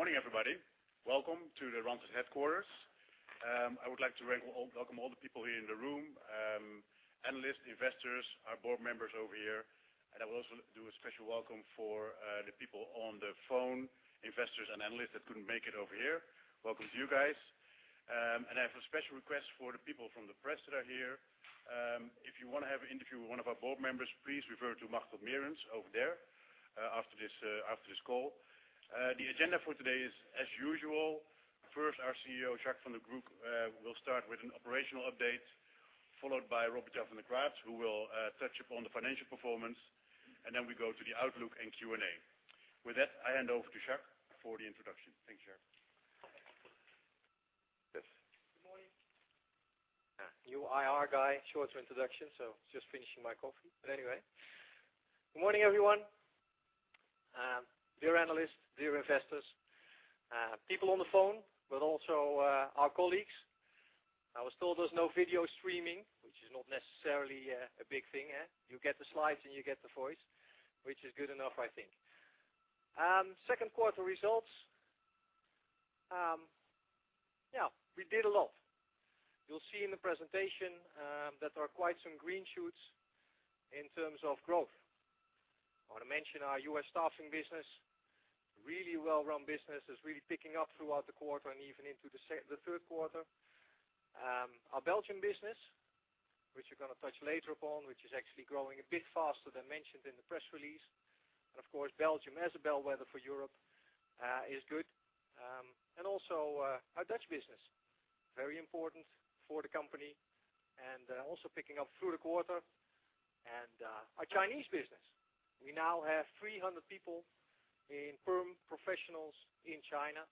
Good morning, everybody. Welcome to the Randstad headquarters. I would like to welcome all the people here in the room, analysts, investors, our board members over here. I will also do a special welcome for the people on the phone, investors and analysts that couldn't make it over here. Welcome to you guys. I have a special request for the people from the press that are here. If you want to have an interview with one of our board members, please refer to Machteld Merens over there after this call. The agenda for today is as usual. First, our CEO, Jacques van den Broek, will start with an operational update, followed by Robert Jan van de Kraats, who will touch upon the financial performance. We go to the outlook and Q&A. With that, I hand over to Jacques for the introduction. Thank you, Jacques. Yes. Good morning. New IR guy, shorter introduction, just finishing my coffee. Anyway. Good morning, everyone. Dear analysts, dear investors, people on the phone, also our colleagues. I was told there's no video streaming, which is not necessarily a big thing. You get the slides and you get the voice, which is good enough, I think. Second quarter results. We did a lot. You'll see in the presentation that there are quite some green shoots in terms of growth. I want to mention our US staffing business, really well-run business, is really picking up throughout the quarter and even into the third quarter. Our Belgium business, which we're going to touch later upon, which is actually growing a bit faster than mentioned in the press release. Of course, Belgium as a bellwether for Europe is good. Also our Dutch business, very important for the company, also picking up through the quarter. Our Chinese business. We now have 300 people in perm professionals in China,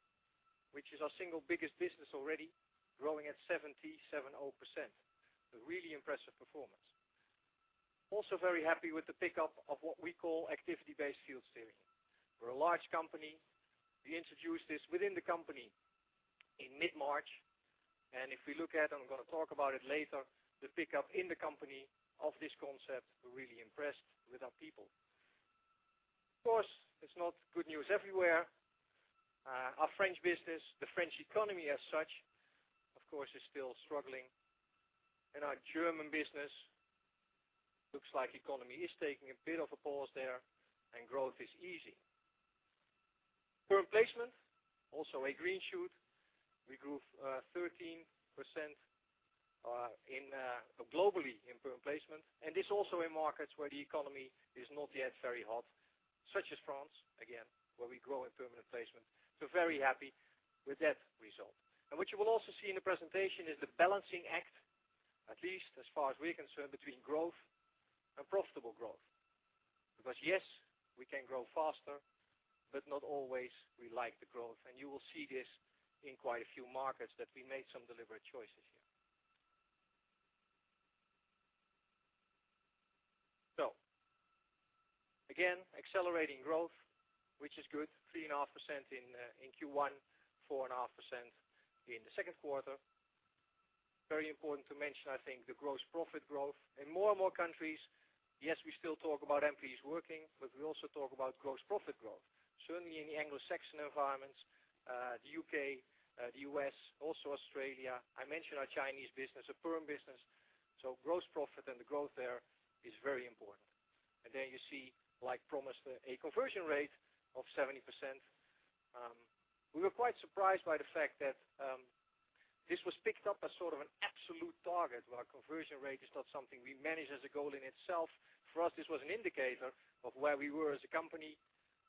which is our single biggest business already growing at 70%. A really impressive performance. Also very happy with the pickup of what we call activity-based field steering. We're a large company. We introduced this within the company in mid-March. If we look at, I'm going to talk about it later, the pickup in the company of this concept, we're really impressed with our people. Of course, it's not good news everywhere. Our French business, the French economy as such, of course, is still struggling. Our German business looks like economy is taking a bit of a pause there and growth is easing. Perm placement, also a green shoot. We grew 13% globally in perm placement, this also in markets where the economy is not yet very hot, such as France, again, where we grow in permanent placement. Very happy with that result. What you will also see in the presentation is the balancing act, at least as far as we're concerned, between growth and profitable growth. Yes, we can grow faster, not always we like the growth. You will see this in quite a few markets that we made some deliberate choices here. Again, accelerating growth, which is good, 3.5% in Q1, 4.5% in the second quarter. Very important to mention, I think, the gross profit growth. In more and more countries, yes, we still talk about MPs working, we also talk about gross profit growth. Certainly in the Anglo-Saxon environments, the U.K., the U.S., also Australia. I mentioned our Chinese business, a perm business, gross profit and the growth there is very important. There you see, like promised, a conversion rate of 70%. We were quite surprised by the fact that this was picked up as sort of an absolute target, where our conversion rate is not something we manage as a goal in itself. For us, this was an indicator of where we were as a company.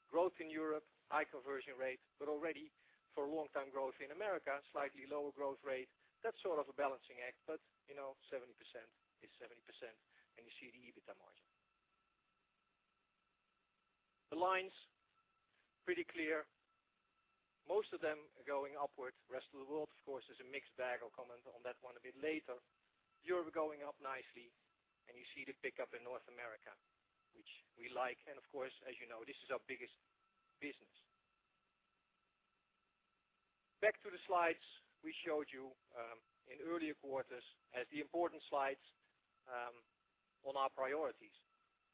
Growth in Europe, high conversion rate, but already for long-term growth in America, slightly lower growth rate. That's sort of a balancing act, but 70% is 70%, and you see the EBITDA margin. The lines, pretty clear. Most of them are going upward. Rest of the world, of course, is a mixed bag. I'll comment on that one a bit later. Europe going up nicely, you see the pickup in North America, which we like, and of course, as you know, this is our biggest business. Back to the slides we showed you in earlier quarters as the important slides on our priorities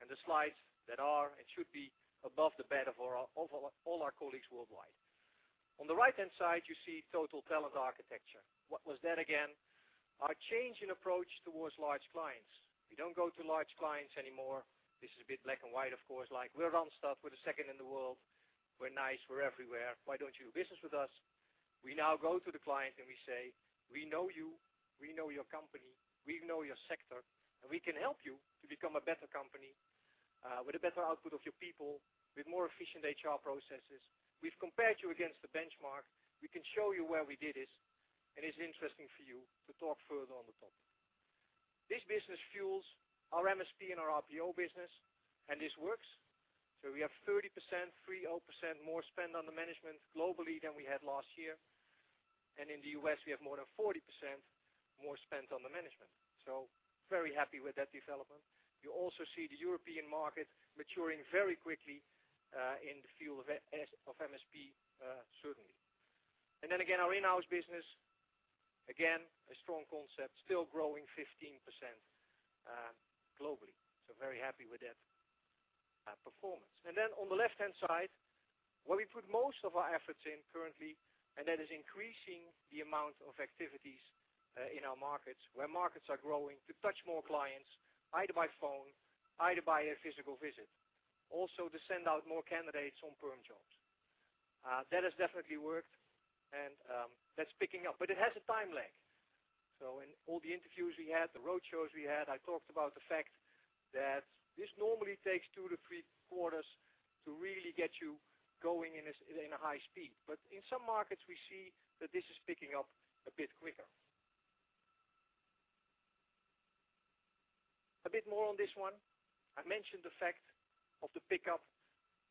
and the slides that are and should be above the bed of all our colleagues worldwide. On the right-hand side, you see Total Talent Architecture. What was that again? Our change in approach towards large clients. We don't go to large clients anymore. This is a bit black and white, of course. Like, we're Randstad, we're the second in the world. We're nice, we're everywhere. Why don't you do business with us? We now go to the client and we say, "We know you. We know your company. We know your sector, and we can help you to become a better company with a better output of your people with more efficient HR processes. We've compared you against the benchmark. We can show you where we did this, and it's interesting for you to talk further on the topic." This business fuels our MSP and our RPO business, and this works. We have 30%, 3-0%, more spend on the management globally than we had last year. In the U.S., we have more than 40% more spent on the management. Very happy with that development. You also see the European market maturing very quickly in the field of MSP solutions. Again, our in-house business, again, a strong concept, still growing 15% globally. Very happy with that performance. On the left-hand side, where we put most of our efforts in currently, and that is increasing the amount of activities in our markets, where markets are growing, to touch more clients either by phone, either by a physical visit, also to send out more candidates on perm jobs. That has definitely worked and that's picking up. It has a time lag. In all the interviews we had, the road shows we had, I talked about the fact that this normally takes two to three quarters to really get you going in a high speed. In some markets, we see that this is picking up a bit quicker. A bit more on this one. I mentioned the fact of the pickup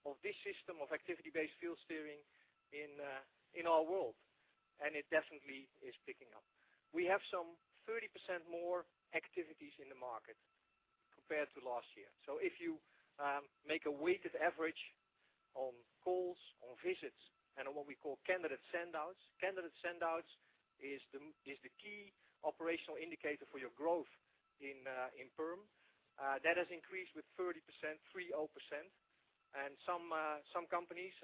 of this system of activity-based field steering in our world, and it definitely is picking up. We have some 30% more activities in the market compared to last year. If you make a weighted average on calls, on visits, and on what we call candidate sendouts. Candidate sendouts is the key operational indicator for your growth in perm. That has increased with 30%. Some companies,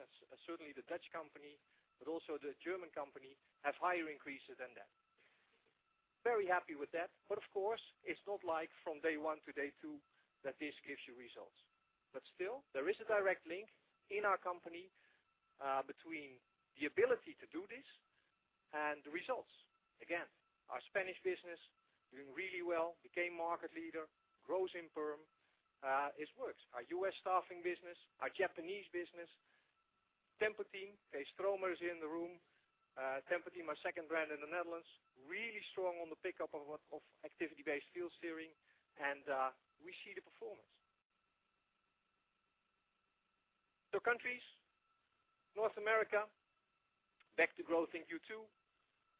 certainly the Dutch company, but also the German company, have higher increases than that. Very happy with that. Of course, it's not like from day one to day two that this gives you results. Still, there is a direct link in our company between the ability to do this and the results. Again, our Spanish business doing really well, became market leader, grows in perm. It works. Our U.S. staffing business, our Japanese business, Tempo-Team, okay, Stromer is in the room. Tempo-Team, my second brand in the Netherlands, really strong on the pickup of activity-based field steering, and we see the performance. Countries, North America, back to growth in Q2.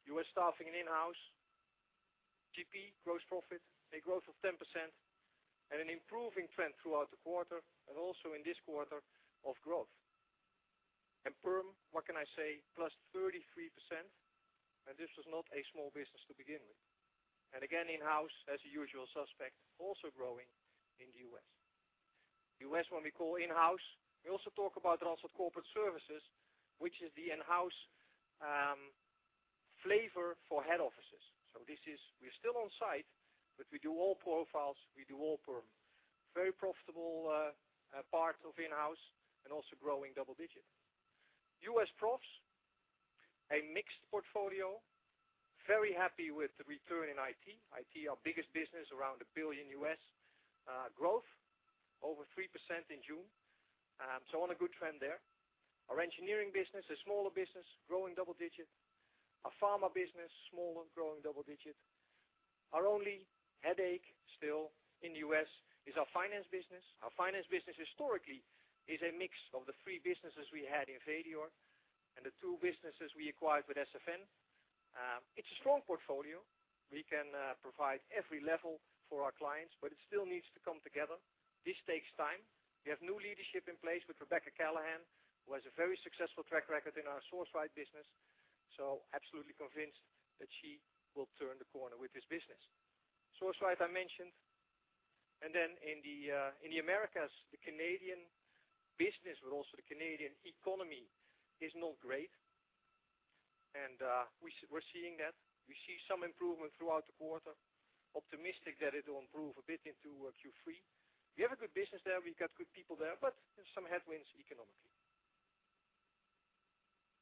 U.S. staffing and in-house, GP, gross profit, a growth of 10%, and an improving trend throughout the quarter and also in this quarter of growth. Perm, what can I say, +33%, and this was not a small business to begin with. Again, in-house, as a usual suspect, also growing in the U.S. U.S., when we call in-house, we also talk about Randstad Corporate Services, which is the in-house flavor for head offices. We're still on site, but we do all profiles, we do all perm. Very profitable part of in-house and also growing double-digit. U.S. Profs, a mixed portfolio, very happy with the return in IT. IT, our biggest business, around $1 billion. Growth over 3% in June, on a good trend there. Our engineering business, a smaller business, growing double-digit. Our pharma business, smaller, growing double-digit. Our only headache still in the U.S. is our finance business. Our finance business historically is a mix of the three businesses we had in Vedior and the two businesses we acquired with SFN. It's a strong portfolio. We can provide every level for our clients, but it still needs to come together. This takes time. We have new leadership in place with Rebecca Callahan, who has a very successful track record in our SourceRight business. Absolutely convinced that she will turn the corner with this business. SourceRight, I mentioned. In the Americas, the Canadian business, but also the Canadian economy is not great, and we're seeing that. We see some improvement throughout the quarter, optimistic that it will improve a bit into Q3. We have a good business there, we've got good people there, but there's some headwinds economically.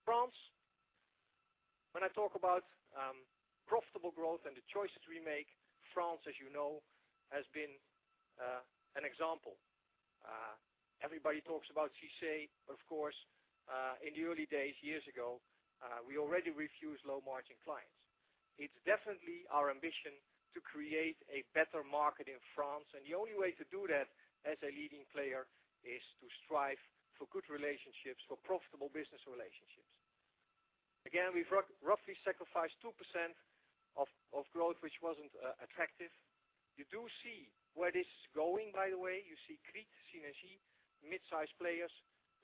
France, when I talk about profitable growth and the choices we make, France, as you know, has been an example. Everybody talks about CICE, of course. In the early days, years ago, we already refused low-margin clients. It's definitely our ambition to create a better market in France, and the only way to do that as a leading player is to strive for good relationships, for profitable business relationships. Again, we've roughly sacrificed 2% of growth, which wasn't attractive. You do see where this is going, by the way. You see Create Synergy, mid-size players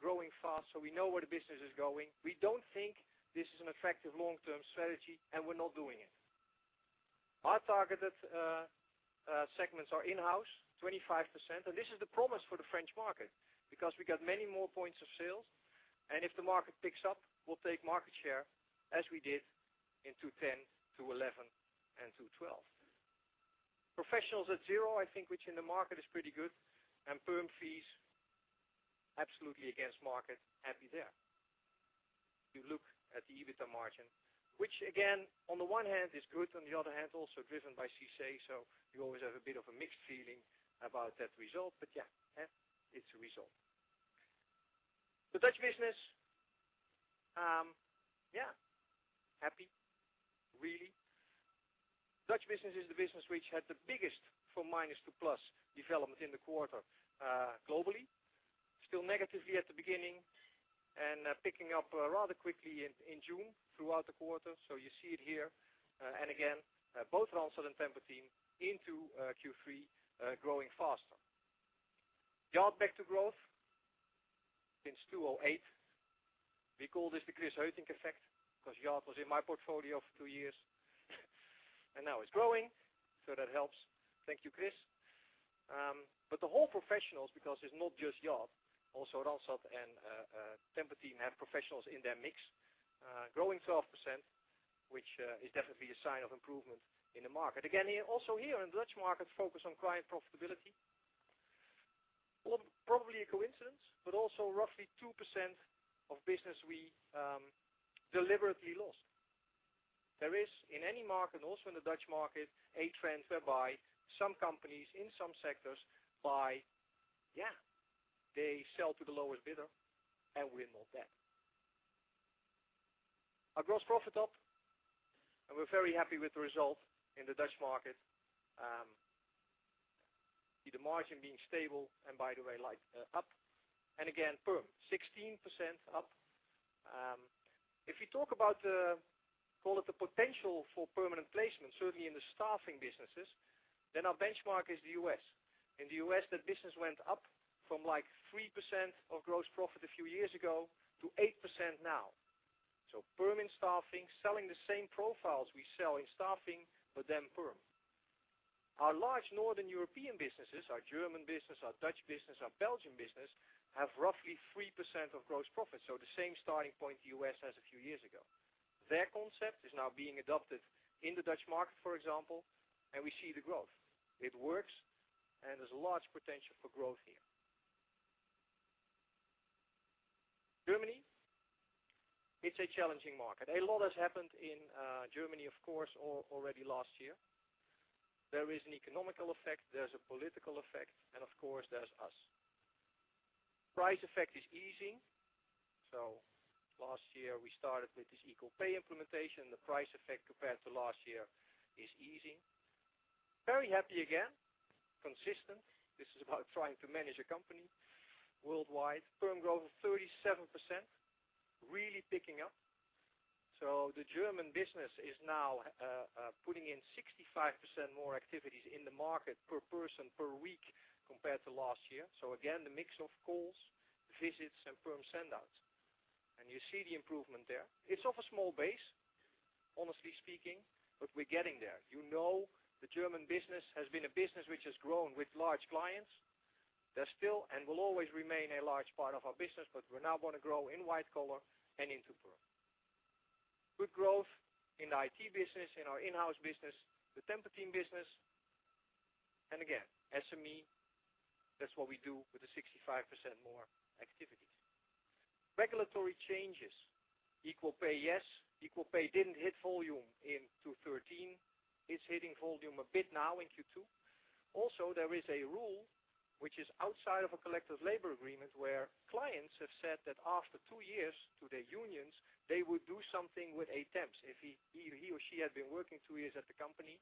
growing fast, we know where the business is going. We don't think this is an attractive long-term strategy, and we're not doing it. Our targeted segments are in-house, 25%, and this is the promise for the French market because we got many more points of sale. If the market picks up, we'll take market share as we did in 2010, 2011, and 2012. Professionals at zero, I think, which in the market is pretty good, and perm fees, absolutely against market, happy there. You look at the EBITDA margin, which again, on the one hand is good, on the other hand, also driven by CICE, so you always have a bit of a mixed feeling about that result. Yeah, it's a result. The Dutch business, yeah, happy, really. Dutch business is the business which had the biggest from minus to plus development in the quarter globally. Still negatively at the beginning and picking up rather quickly in June throughout the quarter. You see it here. Again, both Randstad and Tempo-Team into Q3 growing faster. Yacht back to growth since 2008. We call this the Chris Heutink effect because Yacht was in my portfolio for two years and now it's growing, so that helps. Thank you, Chris. The whole professionals, because it's not just Yacht, also Randstad and Tempo-Team have professionals in their mix. Growing 12%, which is definitely a sign of improvement in the market. Again, also here in the Dutch market, focus on client profitability. Probably a coincidence, but also roughly 2% of business we deliberately lost. There is in any market, also in the Dutch market, a trend whereby some companies in some sectors sell to the lowest bidder and we're not that. Our gross profit up, and we're very happy with the result in the Dutch market. See the margin being stable and by the way, up. Again, perm 16% up. If we talk about the potential for permanent placement, certainly in the staffing businesses, then our benchmark is the U.S. In the U.S., that business went up from 3% of gross profit a few years ago to 8% now. Perm and staffing, selling the same profiles we sell in staffing, but then perm. Our large Northern European businesses, our German business, our Dutch business, our Belgian business, have roughly 3% of gross profit. The same starting point the U.S. has a few years ago. Their concept is now being adopted in the Dutch market, for example, and we see the growth. It works, and there's large potential for growth here. Germany, it's a challenging market. A lot has happened in Germany, of course, already last year. There is an economic effect, there's a political effect, and of course, there's us. Price effect is easing. Last year, we started with this equal pay implementation. The price effect compared to last year is easing. Very happy again, consistent. This is about trying to manage a company worldwide. Perm growth of 37%, really picking up. The German business is now putting in 65% more activities in the market per person per week compared to last year. Again, the mix of calls, visits, and perm send-outs. You see the improvement there. It's off a small base, honestly speaking, but we're getting there. You know the German business has been a business which has grown with large clients. They still and will always remain a large part of our business, but we now want to grow in white collar and into perm. Good growth in the IT business, in our in-house business, the Tempo-Team business. Again, SME, that's what we do with the 65% more activities. Regulatory changes. Equal pay. Yes. Equal pay didn't hit volume in 2013. It's hitting volume a bit now in Q2. There is a rule which is outside of a collective labor agreement where clients have said that after two years to their unions, they would do something with a temps. If he or she had been working two years at the company,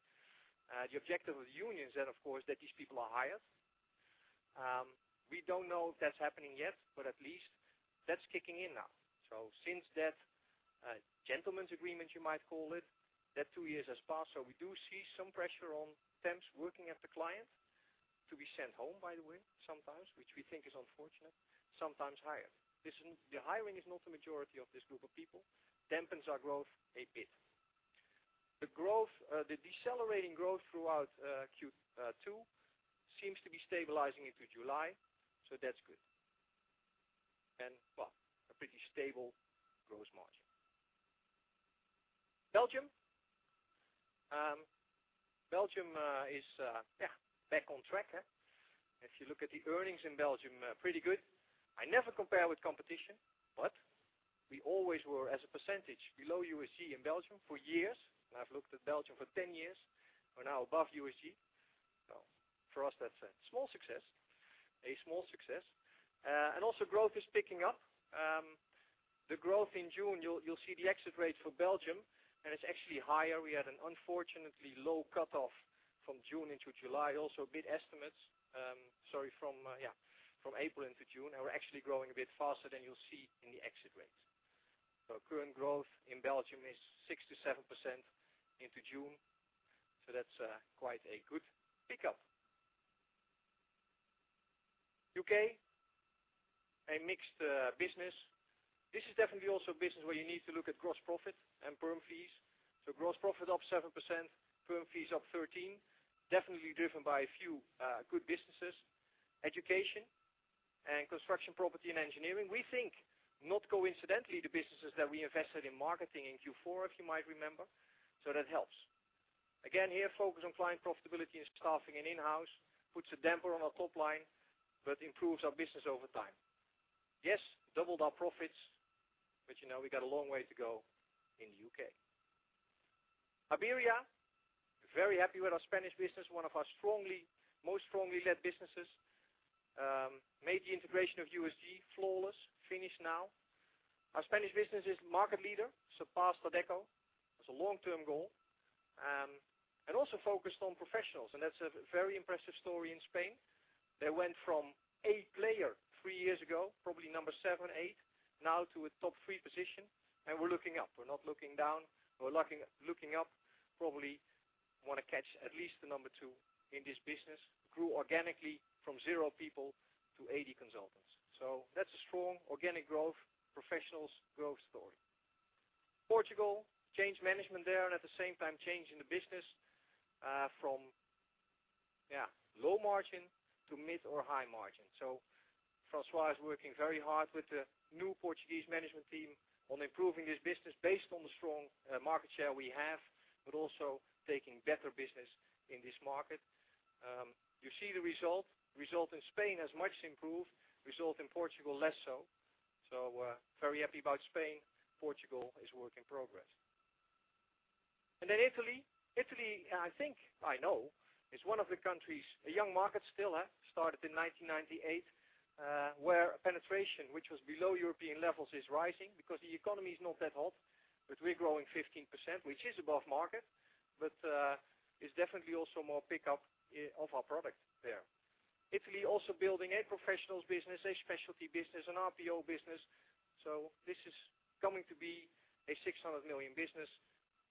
the objective of the union is that, of course, these people are hired. We don't know if that's happening yet, but at least that's kicking in now. Since that gentleman's agreement, you might call it, that two years has passed. We do see some pressure on temps working at the client to be sent home, by the way, sometimes, which we think is unfortunate, sometimes hired. The hiring is not the majority of this group of people, dampens our growth a bit. The decelerating growth throughout Q2 seems to be stabilizing into July, so that's good. A pretty stable gross margin. Belgium. Belgium is back on track. If you look at the earnings in Belgium, pretty good. I never compare with competition, but we always were, as a percentage, below USG in Belgium for years. I've looked at Belgium for 10 years. We're now above USG. For us, that's a small success. Also, growth is picking up. The growth in June, you'll see the exit rates for Belgium, and it's actually higher. We had an unfortunately low cut-off from June into July, also bit estimates. Sorry, from April into June. We're actually growing a bit faster than you'll see in the exit rates. Current growth in Belgium is 67% into June, so that's quite a good pickup. U.K., a mixed business. This is definitely also a business where you need to look at gross profit and perm fees. Gross profit up 7%, perm fees up 13%, definitely driven by a few good businesses, education and construction, property, and engineering. We think, not coincidentally, the businesses that we invested in marketing in Q4, if you might remember. That helps. Again, here, focus on client profitability and staffing and in-house puts a damper on our top line, but improves our business over time. Yes, doubled our profits, but we got a long way to go in the U.K. Iberia, very happy with our Spanish business, one of our most strongly led businesses. Made the integration of USG flawless, finished now. Our Spanish business is market leader, surpassed Adecco. That's a long-term goal. Also, focused on professionals, that's a very impressive story in Spain. They went from a player three years ago, probably number 7, 8, now to a top 3 position, we're looking up. We're not looking down. We're looking up probably want to catch at least the number 2 in this business. Grew organically from zero people to 80 consultants. That's a strong organic growth, professionals growth story. Portugal, change management there, at the same time, change in the business from low margin to mid or high margin. François is working very hard with the new Portuguese management team on improving this business based on the strong market share we have, but also taking better business in this market. You see the result. Result in Spain has much improved, result in Portugal, less so. Very happy about Spain, Portugal is work in progress. Italy. Italy, I know, is one of the countries, a young market still, started in 1998, where penetration, which was below European levels, is rising because the economy is not that hot, but we're growing 15%, which is above market, but is definitely also more pickup of our product there. Italy also building a professionals business, a specialty business and RPO business. This is coming to be a 600 million business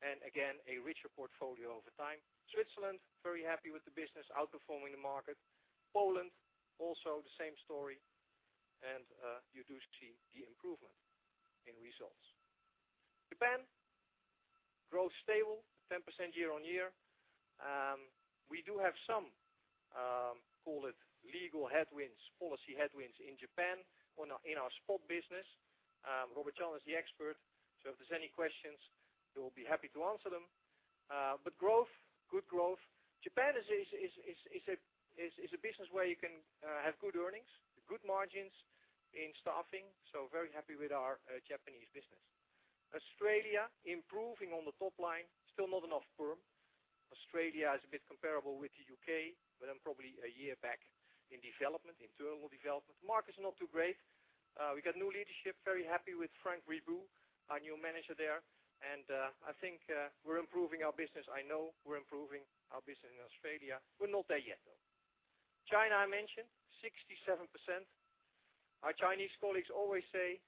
and again, a richer portfolio over time. Switzerland, very happy with the business outperforming the market. Poland, also the same story, and you do see the improvement in results. Japan, growth stable, 10% year-on-year. We do have some, call it legal headwinds, policy headwinds in Japan in our spot business. Robert Jan is the expert, so if there's any questions, he will be happy to answer them. Growth, good growth. Japan is a business where you can have good earnings and good margins in staffing, so very happy with our Japanese business. Australia, improving on the top line. Still not enough perm. Australia is a bit comparable with the U.K., but then probably a year back in development, internal development. Market's not too great. We got new leadership, very happy with Frank Ribuot, our new manager there, and I think we're improving our business. I know we're improving our business in Australia. We're not there yet, though. China, I mentioned, 67%. Our Chinese colleagues always say,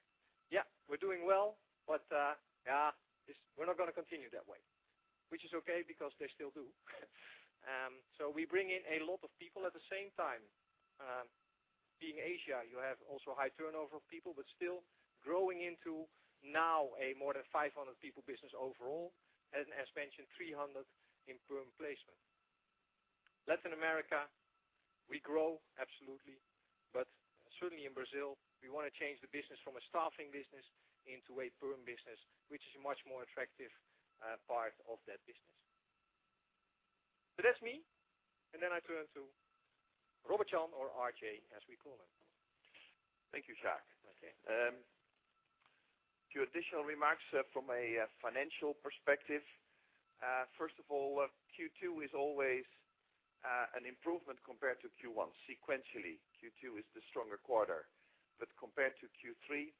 "Yeah, we're doing well, but we're not going to continue that way." Which is okay, because they still do. We bring in a lot of people at the same time. Being Asia, you have also high turnover of people, but still growing into now a more than 500 people business overall. As mentioned, 300 in perm placement. Latin America, we grow absolutely, but certainly in Brazil, we want to change the business from a staffing business into a perm business, which is a much more attractive part of that business. That's me, and then I turn to Robert Jan or RJ as we call him. Thank you, Jacques. Okay. A few additional remarks from a financial perspective. First of all, Q2 is always an improvement compared to Q1. Sequentially, Q2 is the stronger quarter, but compared to Q3,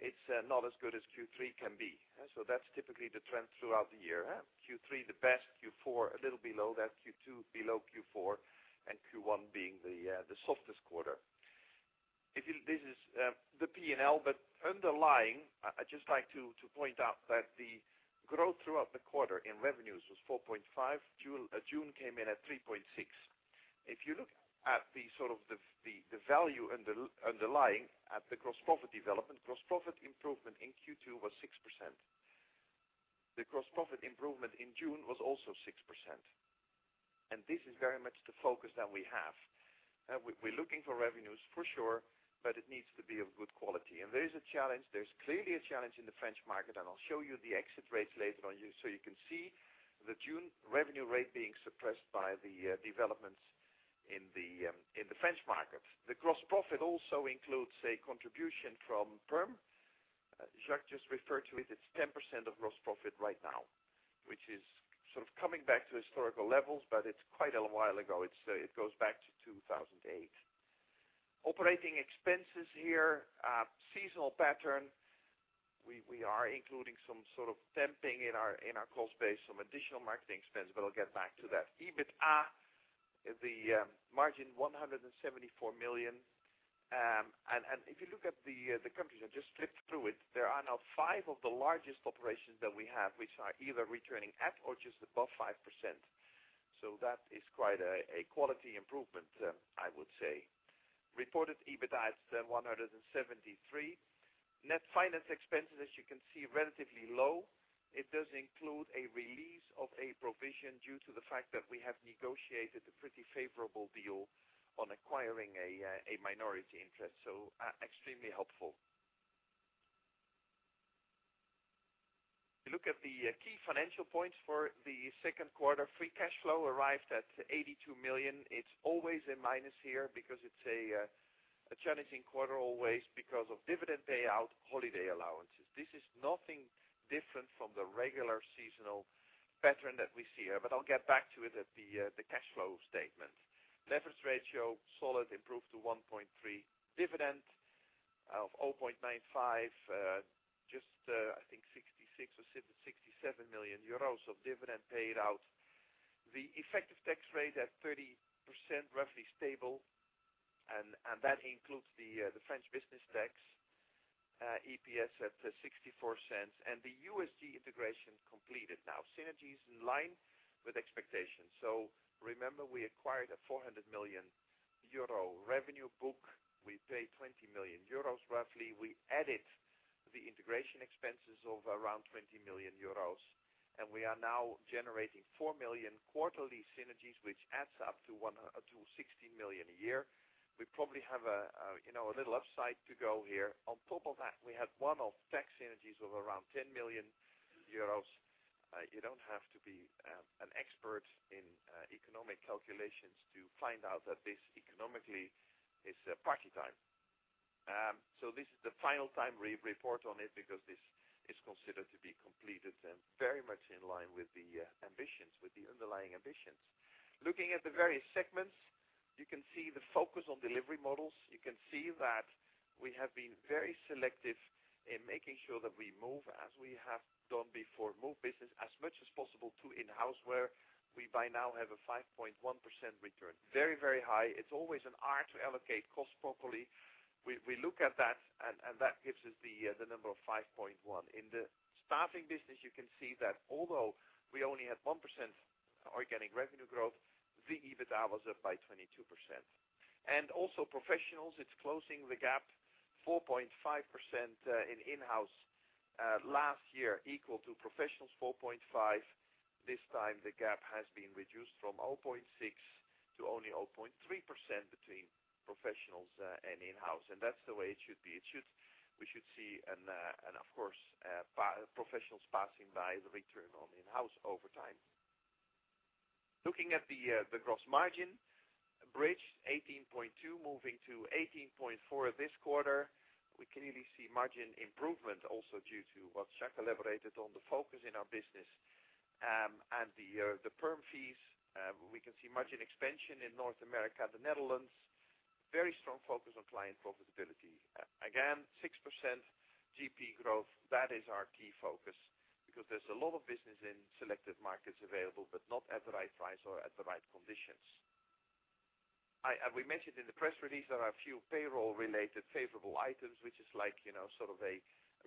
it's not as good as Q3 can be. That's typically the trend throughout the year. Q3 the best, Q4 a little below that, Q2 below Q4, and Q1 being the softest quarter. This is the P&L. Underlying, I'd just like to point out that the growth throughout the quarter in revenues was 4.5%. June came in at 3.6%. If you look at the value underlying at the gross profit development, gross profit improvement in Q2 was 6%. The gross profit improvement in June was also 6%, and this is very much the focus that we have. We're looking for revenues for sure, but it needs to be of good quality. There is a challenge. There's clearly a challenge in the French market. I'll show you the exit rates later on so you can see the June revenue rate being suppressed by the developments in the French market. The gross profit also includes a contribution from perm. Jacques just referred to it. It's 10% of gross profit right now, which is sort of coming back to historical levels, but it's quite a while ago. It goes back to 2008. Operating expenses here, seasonal pattern. We are including some sort of temping in our cost base, some additional marketing expense, but I'll get back to that. EBITA, the margin, 174 million. If you look at the countries, I'll just flip through it. There are now five of the largest operations that we have which are either returning at or just above 5%. That is quite a quality improvement, I would say. Reported EBITA is 173 million. Net finance expenses, as you can see, relatively low. It does include a release of a provision due to the fact that we have negotiated a pretty favorable deal on acquiring a minority interest. Extremely helpful. You look at the key financial points for the second quarter. Free cash flow arrived at 82 million. It's always a minus here because it's a challenging quarter always because of dividend payout, holiday allowances. This is nothing different from the regular seasonal pattern that we see here, but I'll get back to it at the cash flow statement. Leverage ratio, solid, improved to 1.3. Dividend of 0.95, just I think 66 or 67 million euros of dividend paid out. The effective tax rate at 30%, roughly stable. That includes the French business tax. EPS at 0.64 and the USG integration completed. Synergy is in line with expectations. Remember, we acquired a 400 million euro revenue book. We paid 20 million euros roughly. We added the integration expenses of around 20 million euros, and we are now generating 4 million quarterly synergies, which adds up to 16 million a year. We probably have a little upside to go here. On top of that, we had one-off tax synergies of around 10 million euros. You don't have to be an expert in economic calculations to find out that this economically is party time. This is the final time we report on it because this is considered to be completed and very much in line with the underlying ambitions. Looking at the various segments, you can see the focus on delivery models. You can see that we have been very selective in making sure that we move, as we have done before, move business as much as possible to in-house, where we by now have a 5.1% return. Very, very high. It's always an art to allocate costs properly. We look at that gives us the number of 5.1%. In the staffing business, you can see that although we only had 1% organic revenue growth, the EBITDA was up by 22%. Also professionals, it's closing the gap 4.5% in in-house. Last year, equal to professionals 4.5%. This time the gap has been reduced from 0.6% to only 0.3% between professionals and in-house. That's the way it should be. We should see, of course, professionals passing by the return on in-house over time. Looking at the gross margin bridge, 18.2% moving to 18.4% this quarter. We clearly see margin improvement also due to what Jacques elaborated on the focus in our business. The perm fees, we can see margin expansion in North America, the Netherlands. Very strong focus on client profitability. Again, 6% GP growth, that is our key focus because there's a lot of business in selected markets available, but not at the right price or at the right conditions. We mentioned in the press release there are a few payroll-related favorable items, which is like sort of a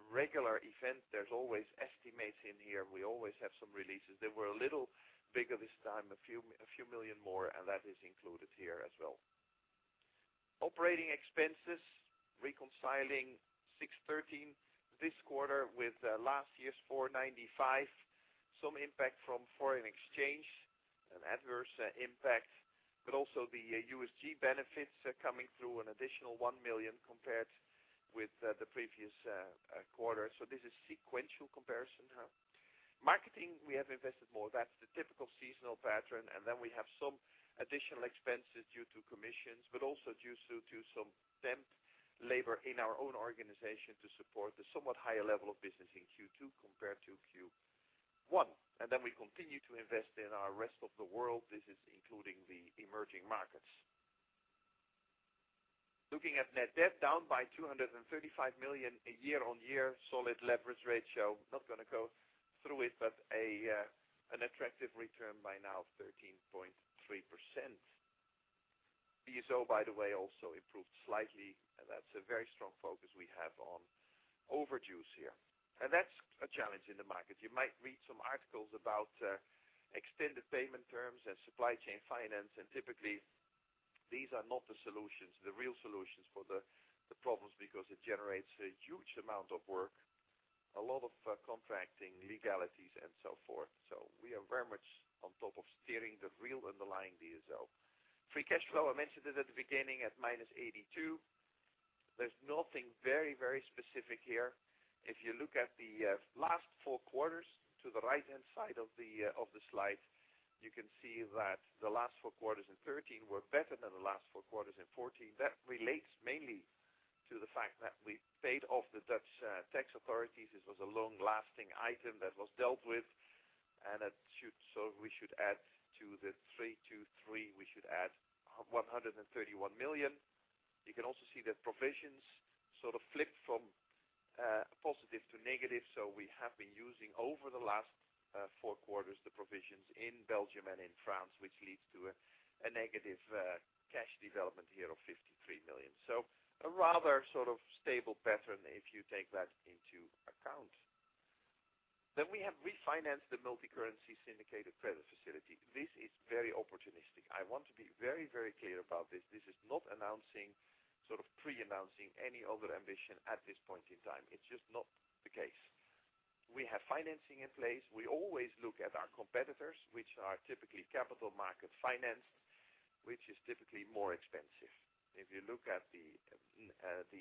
regular event. There's always estimates in here. We always have some releases. They were a little bigger this time, a few million more, and that is included here as well. Operating expenses reconciling 613 this quarter with last year's 495. Some impact from foreign exchange, an adverse impact, but also the USG People benefits coming through an additional 1 million compared with the previous quarter. This is sequential comparison now. Marketing, we have invested more. That's the typical seasonal pattern. We have some additional expenses due to commissions, but also due to some temp labor in our own organization to support the somewhat higher level of business in Q2 compared to Q1. We continue to invest in our rest of the world business, including the emerging markets. Looking at net debt, down by 235 million year-on-year. Solid leverage ratio. Not going to go through it, but an attractive return by now of 13.3%. DSO, by the way, also improved slightly. That's a very strong focus we have on overages here. That's a challenge in the market. You might read some articles about extended payment terms and supply chain finance, typically, these are not the solutions, the real solutions for the problems, because it generates a huge amount of work, a lot of contracting legalities and so forth. We are very much on top of steering the real underlying DSO. Free cash flow, I mentioned it at the beginning at minus 82. There's nothing very specific here. If you look at the last four quarters to the right-hand side of the slide, you can see that the last four quarters in 2013 were better than the last four quarters in 2014. That relates mainly to the fact that we paid off the Dutch tax authorities. This was a long-lasting item that was dealt with, we should add to the 323, we should add 131 million. You can also see that provisions sort of flipped from positive to negative. We have been using over the last 4 quarters the provisions in Belgium and in France, which leads to a negative cash development here of 53 million. A rather sort of stable pattern if you take that into account. We have refinanced the multicurrency syndicated credit facility. This is very opportunistic. I want to be very clear about this. This is not announcing, pre-announcing any other ambition at this point in time. It's just not the case. We have financing in place. We always look at our competitors, which are typically capital market financed, which is typically more expensive. If you look at the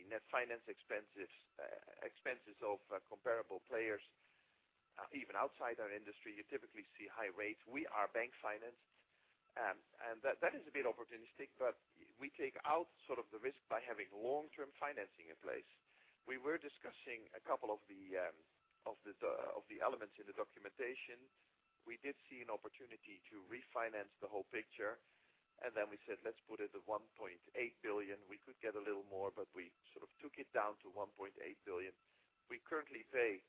net finance expenses of comparable players, even outside our industry, you typically see high rates. We are bank financed, that is a bit opportunistic, we take out the risk by having long-term financing in place. We were discussing a couple of the elements in the documentation. We did see an opportunity to refinance the whole picture, we said, "Let's put it at 1.8 billion." We could get a little more, but we sort of took it down to 1.8 billion. We currently pay 1%,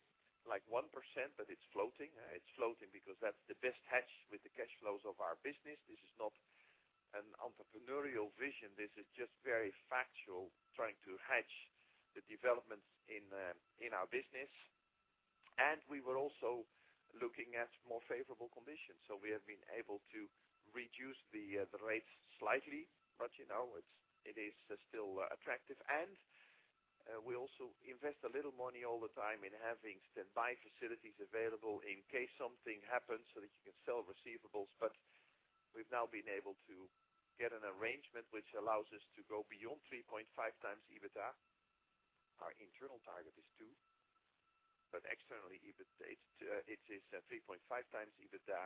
but it's floating. It's floating because that's the best hedge with the cash flows of our business. This is not an entrepreneurial vision. This is just very factual, trying to hedge the developments in our business. We were also looking at more favorable conditions. We have been able to reduce the rates slightly. It is still attractive. We also invest a little money all the time in having standby facilities available in case something happens so that you can sell receivables. We've now been able to get an arrangement which allows us to go beyond 3.5 times EBITDA. Our internal target is two, but externally it is 3.5 times EBITDA,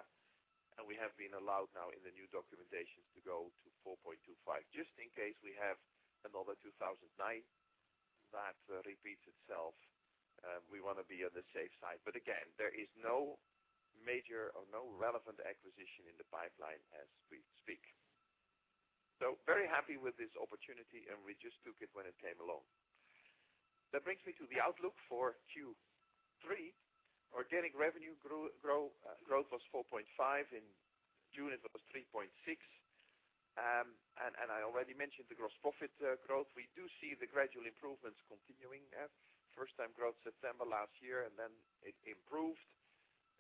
we have been allowed now in the new documentations to go to 4.25. Just in case we have another 2009 that repeats itself, we want to be on the safe side. Again, there is no major or no relevant acquisition in the pipeline as we speak. Very happy with this opportunity, we just took it when it came along. That brings me to the outlook for Q3. Organic revenue growth was 4.5%. In June, it was 3.6%. I already mentioned the gross profit growth. We do see the gradual improvements continuing. First time growth September last year, it improved.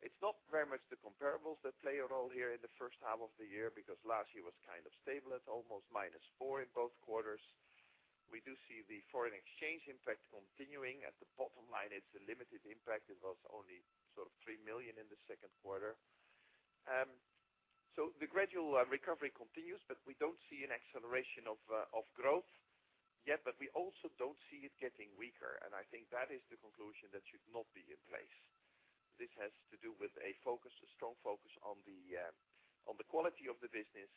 It's not very much the comps that play a role here in the first half of the year because last year was kind of stable at almost -4% in both quarters. We do see the foreign exchange impact continuing at the bottom line. It's a limited impact. It was only sort of 3 million in the second quarter. The gradual recovery continues, we don't see an acceleration of growth yet. We also don't see it getting weaker, I think that is the conclusion that should not be in place. This has to do with a strong focus on the quality of the business,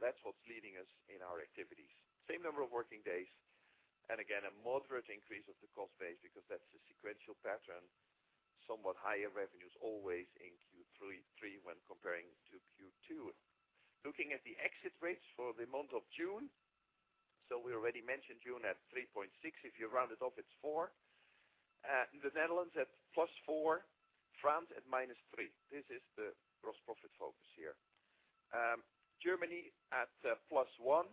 that's what's leading us in our activities. Same number of working days. Again, a moderate increase of the cost base because that's the sequential pattern. Somewhat higher revenues always in Q3 when comparing to Q2. Looking at the exit rates for the month of June. We already mentioned June at 3.6. If you round it up, it's 4. The Netherlands at +4, France at -3. This is the gross profit focus here. Germany at +1.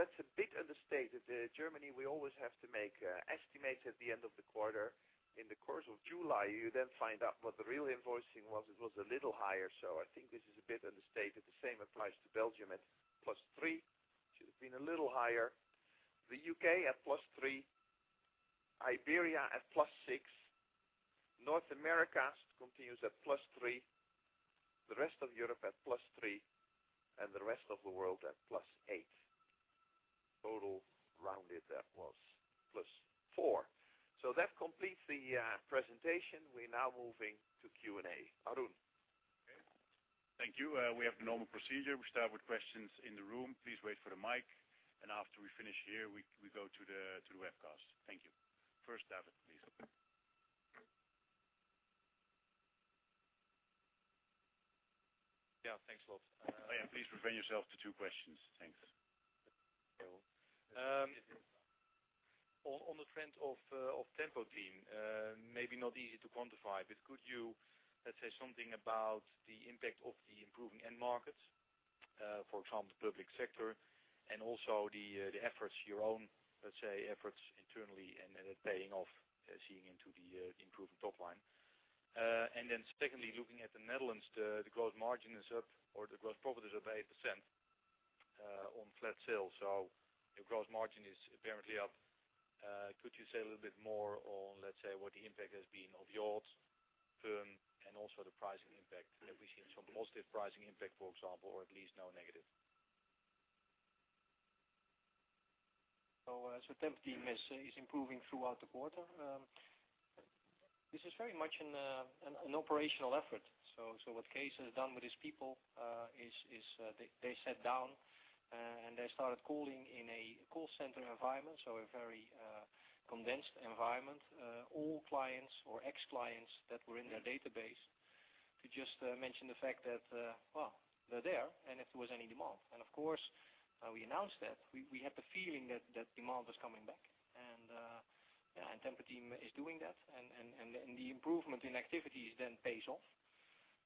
That's a bit understated. Germany, we always have to make estimates at the end of the quarter. In the course of July, you then find out what the real invoicing was. It was a little higher. I think this is a bit understated. The same applies to Belgium at +3. Should have been a little higher. The U.K. at +3, Iberia at +6. North America continues at +3, the rest of Europe at +3, and the rest of the world at +8. Total rounded at +4. That completes the presentation. We're now moving to Q&A. Arun? Okay. Thank you. We have the normal procedure. We start with questions in the room. Please wait for the mic, and after we finish here, we go to the webcast. Thank you. First, David, please. Yeah, thanks a lot. Please refrain yourself to two questions. Thanks. On the trend of Tempo-Team, maybe not easy to quantify, but could you, let's say, something about the impact of the improving end markets, for example, the public sector and also the efforts, your own, let's say, efforts internally then it paying off, seeing into the improving top line. Then secondly, looking at the Netherlands, the gross margin is up, or the gross profit is up 8% on flat sales. Your gross margin is apparently up. Could you say a little bit more on, let's say, what the impact has been of the odds, perm, and also the pricing impact? Have we seen some positive pricing impact, for example, or at least no negative? Tempo-Team is improving throughout the quarter. This is very much an operational effort. What Kees has done with his people is they sat down and they started calling in a call center environment, so a very condensed environment. All clients or ex-clients that were in their database to just mention the fact that, well, they're there and if there was any demand. Of course, we announced that. We had the feeling that demand was coming back. Tempo-Team is doing that, and the improvement in activities then pays off.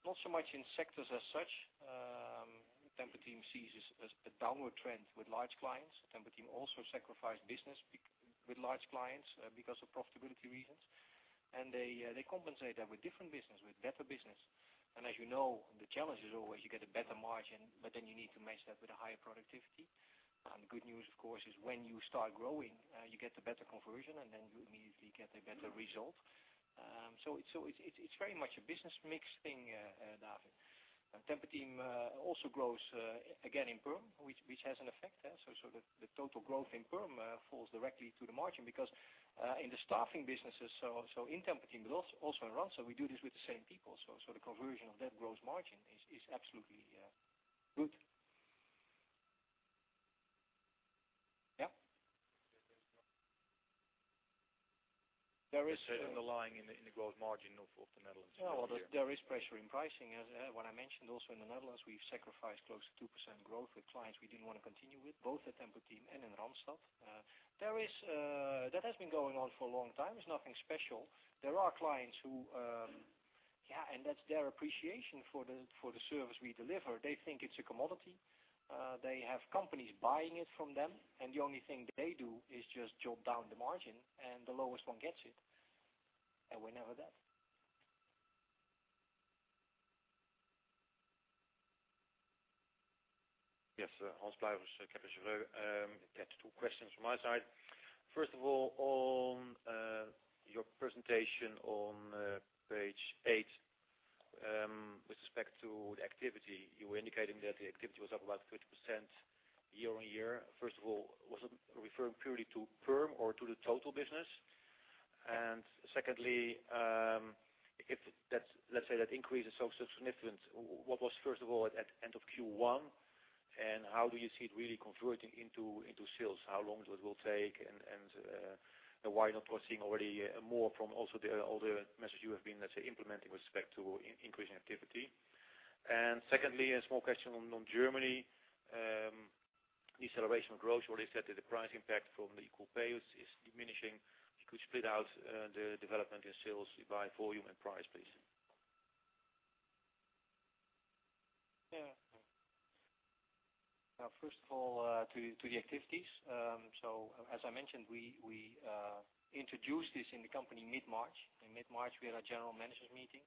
Not so much in sectors as such. Tempo-Team sees a downward trend with large clients. Tempo-Team also sacrificed business with large clients because of profitability reasons. They compensate that with different business, with better business. As you know, the challenge is always you get a better margin, but then you need to match that with a higher productivity. The good news, of course, is when you start growing, you get a better conversion and then you immediately get a better result. It's very much a business mix thing, David. Tempo-Team also grows again in perm, which has an effect. The total growth in perm falls directly to the margin because in the staffing businesses, so in Tempo-Team but also in Randstad, we do this with the same people. The conversion of that gross margin is absolutely good. Yeah. There is an underlying in the gross margin of the Netherlands. Yeah. Well, there is pressure in pricing. As what I mentioned also in the Netherlands, we've sacrificed close to 2% growth with clients we didn't want to continue with, both at Tempo-Team and in Randstad. That has been going on for a long time. It's nothing special. There are clients who Yeah, that's their appreciation for the service we deliver. They think it's a commodity. They have companies buying it from them, and the only thing that they do is just chop down the margin, and the lowest one gets it. We're never that. Yes, Hans Pluijgers, Kepler Cheuvreux. I have two questions from my side. First of all, on your presentation on page eight, with respect to the activity, you were indicating that the activity was up about 30% year-on-year. First of all, was it referring purely to perm or to the total business? Secondly, if that increase is so significant, what was first of all at end of Q1, and how do you see it really converting into sales? How long will it take, and why not we're seeing already more from all the measures you have been, let's say, implementing with respect to increasing activity. Secondly, a small question on Germany. Deceleration of growth, you already said that the price impact from the equal pay is diminishing. If you could split out the development in sales by volume and price, please. First of all, to the activities. As I mentioned, we introduced this in the company mid-March. In mid-March, we had our general managers meeting.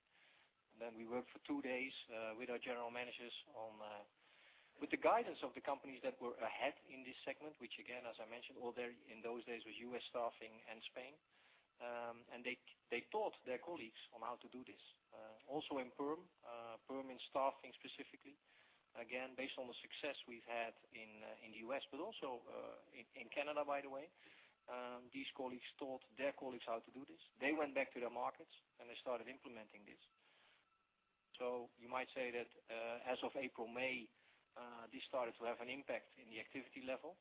We worked for two days with our general managers with the guidance of the companies that were ahead in this segment, which again, as I mentioned, in those days was U.S. staffing and Spain. They taught their colleagues on how to do this. Also in perm in staffing specifically, again, based on the success we've had in the U.S., but also in Canada, by the way. These colleagues taught their colleagues how to do this. They went back to their markets, and they started implementing this. You might say that as of April, May, this started to have an impact in the activity level.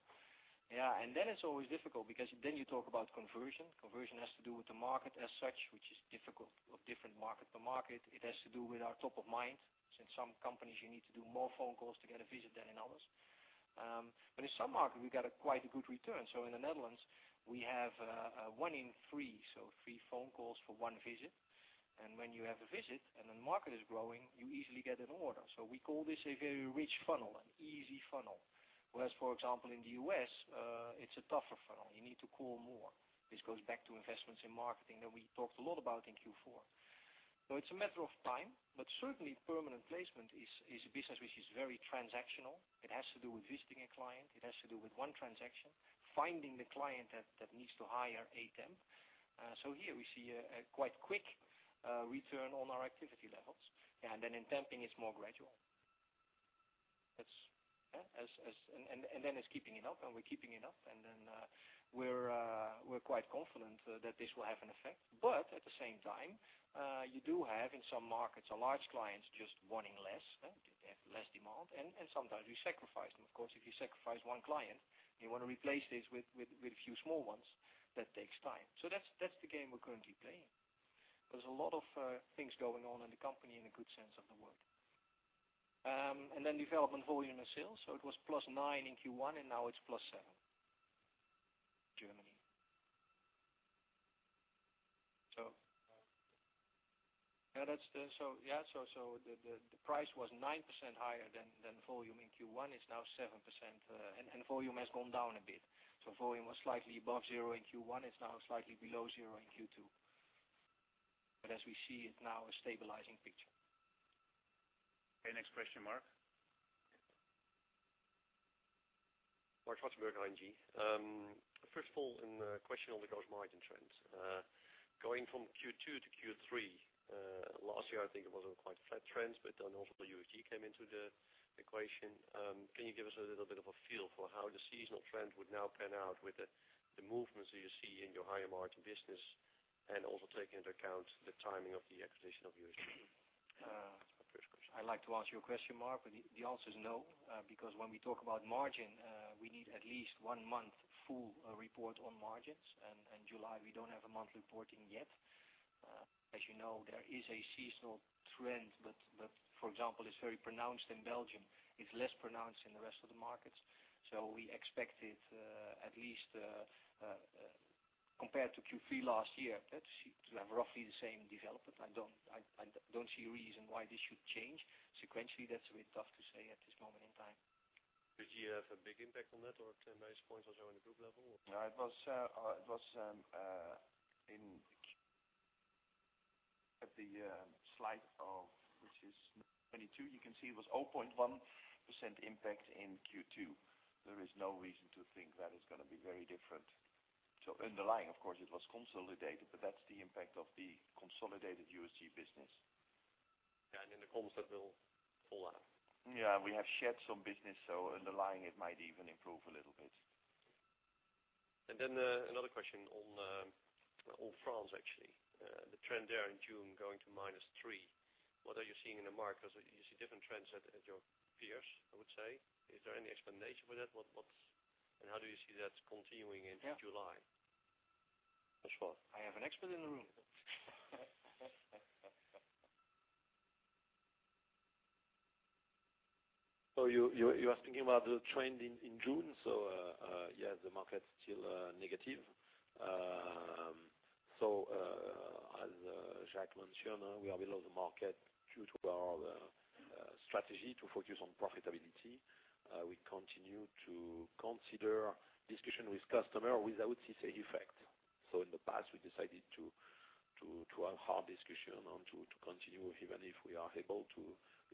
It's always difficult because then you talk about conversion. Conversion has to do with the market as such, which is difficult of different market to market. It has to do with our top of mind, since some companies you need to do more phone calls to get a visit than in others. In some markets, we got quite a good return. In the Netherlands, we have one in three, so three phone calls for one visit. When you have a visit and the market is growing, you easily get an order. We call this a very rich funnel, an easy funnel. Whereas, for example, in the U.S., it's a tougher funnel. You need to call more. This goes back to investments in marketing that we talked a lot about in Q4. It's a matter of time, but certainly permanent placement is a business which is very transactional. It has to do with visiting a client. It has to do with one transaction, finding the client that needs to hire a temp. Here we see a quite quick return on our activity levels. In temping, it's more gradual. It's keeping it up, and we're keeping it up. We're quite confident that this will have an effect. At the same time, you do have in some markets or large clients just wanting less. They have less demand, and sometimes you sacrifice them. Of course, if you sacrifice one client, you want to replace this with a few small ones. That takes time. That's the game we're currently playing. There's a lot of things going on in the company in a good sense of the word. Development volume of sales. It was +9 in Q1, and now it's +7. Germany. The price was 9% higher than volume in Q1. It's now 7%, volume has gone down a bit. Volume was slightly above zero in Q1. It's now slightly below zero in Q2. As we see, it's now a stabilizing picture. Okay, next question, Marc. Marc Zwartsenburg, ING. First of all, a question on the gross margin trends. Going from Q2 to Q3, last year, I think it was on quite flat trends, also the USG came into the equation. Can you give us a little bit of a feel for how the seasonal trend would now pan out with the movements that you see in your higher margin business and also taking into account the timing of the acquisition of USG? First question. I'd like to answer your question, Marc, the answer is no, because when we talk about margin, we need at least one month full report on margins. In July, we don't have a month reporting yet. As you know, there is a seasonal trend that, for example, is very pronounced in Belgium. It's less pronounced in the rest of the markets. We expect it at least compared to Q3 last year to have roughly the same development. I don't see a reason why this should change. Sequentially, that's a bit tough to say at this moment in time. Did you have a big impact on that or 10 basis points or so in the group level? It was at the slide of which is 22. You can see it was 0.1% impact in Q2. There is no reason to think that it's going to be very different. Underlying, of course, it was consolidated, but that's the impact of the consolidated USG business. Yeah, in the comps that will fall out. Yeah, we have shed some business, so underlying it might even improve a little bit. Another question on France, actually. The trend there in June going to minus 3. What are you seeing in the market? You see different trends at your peers, I would say. Is there any explanation for that? How do you see that continuing into July? I have an expert in the room. You are speaking about the trend in June. Yes, the market is still negative. As Jacques mentioned, we are below the market due to our strategy to focus on profitability. We continue to consider discussion with customer without CICE effect. In the past, we decided to have hard discussion and to continue even if we are able to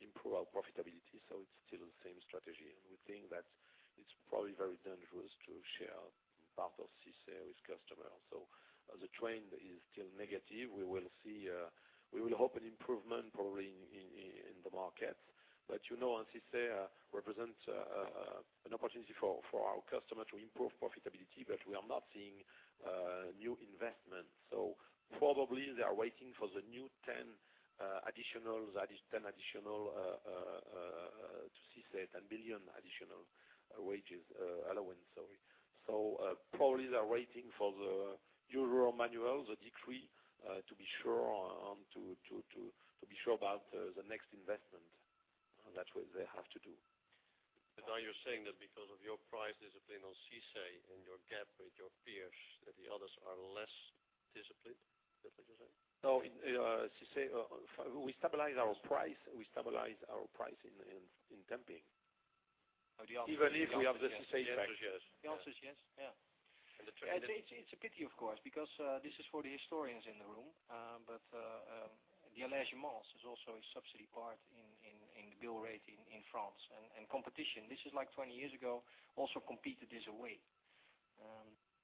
improve our profitability. It's still the same strategy. We think that it's probably very dangerous to share part of CICE with customer. The trend is still negative. We will hope an improvement probably in the market. CICE represents an opportunity for our customer to improve profitability, but we are not seeing new investment. Probably they are waiting for the new 10 additional to CICE, 10 billion additional wages allowance, sorry. Probably they are waiting for the arrêté, the decree to be sure about the next investment. That's what they have to do. Now you're saying that because of your price discipline on CICE and your gap with your peers, that the others are less disciplined? Is that what you're saying? No, CICE, we stabilize our price in temping. Oh, the answer is yes. Even if we have the CICE back. The answer is yes. Yes. The answer is yes. The trend is. It's a pity of course, because this is for the historians in the room. The is also a subsidy part in bill rate in France. Competition, this is like 20 years ago, also competed this away.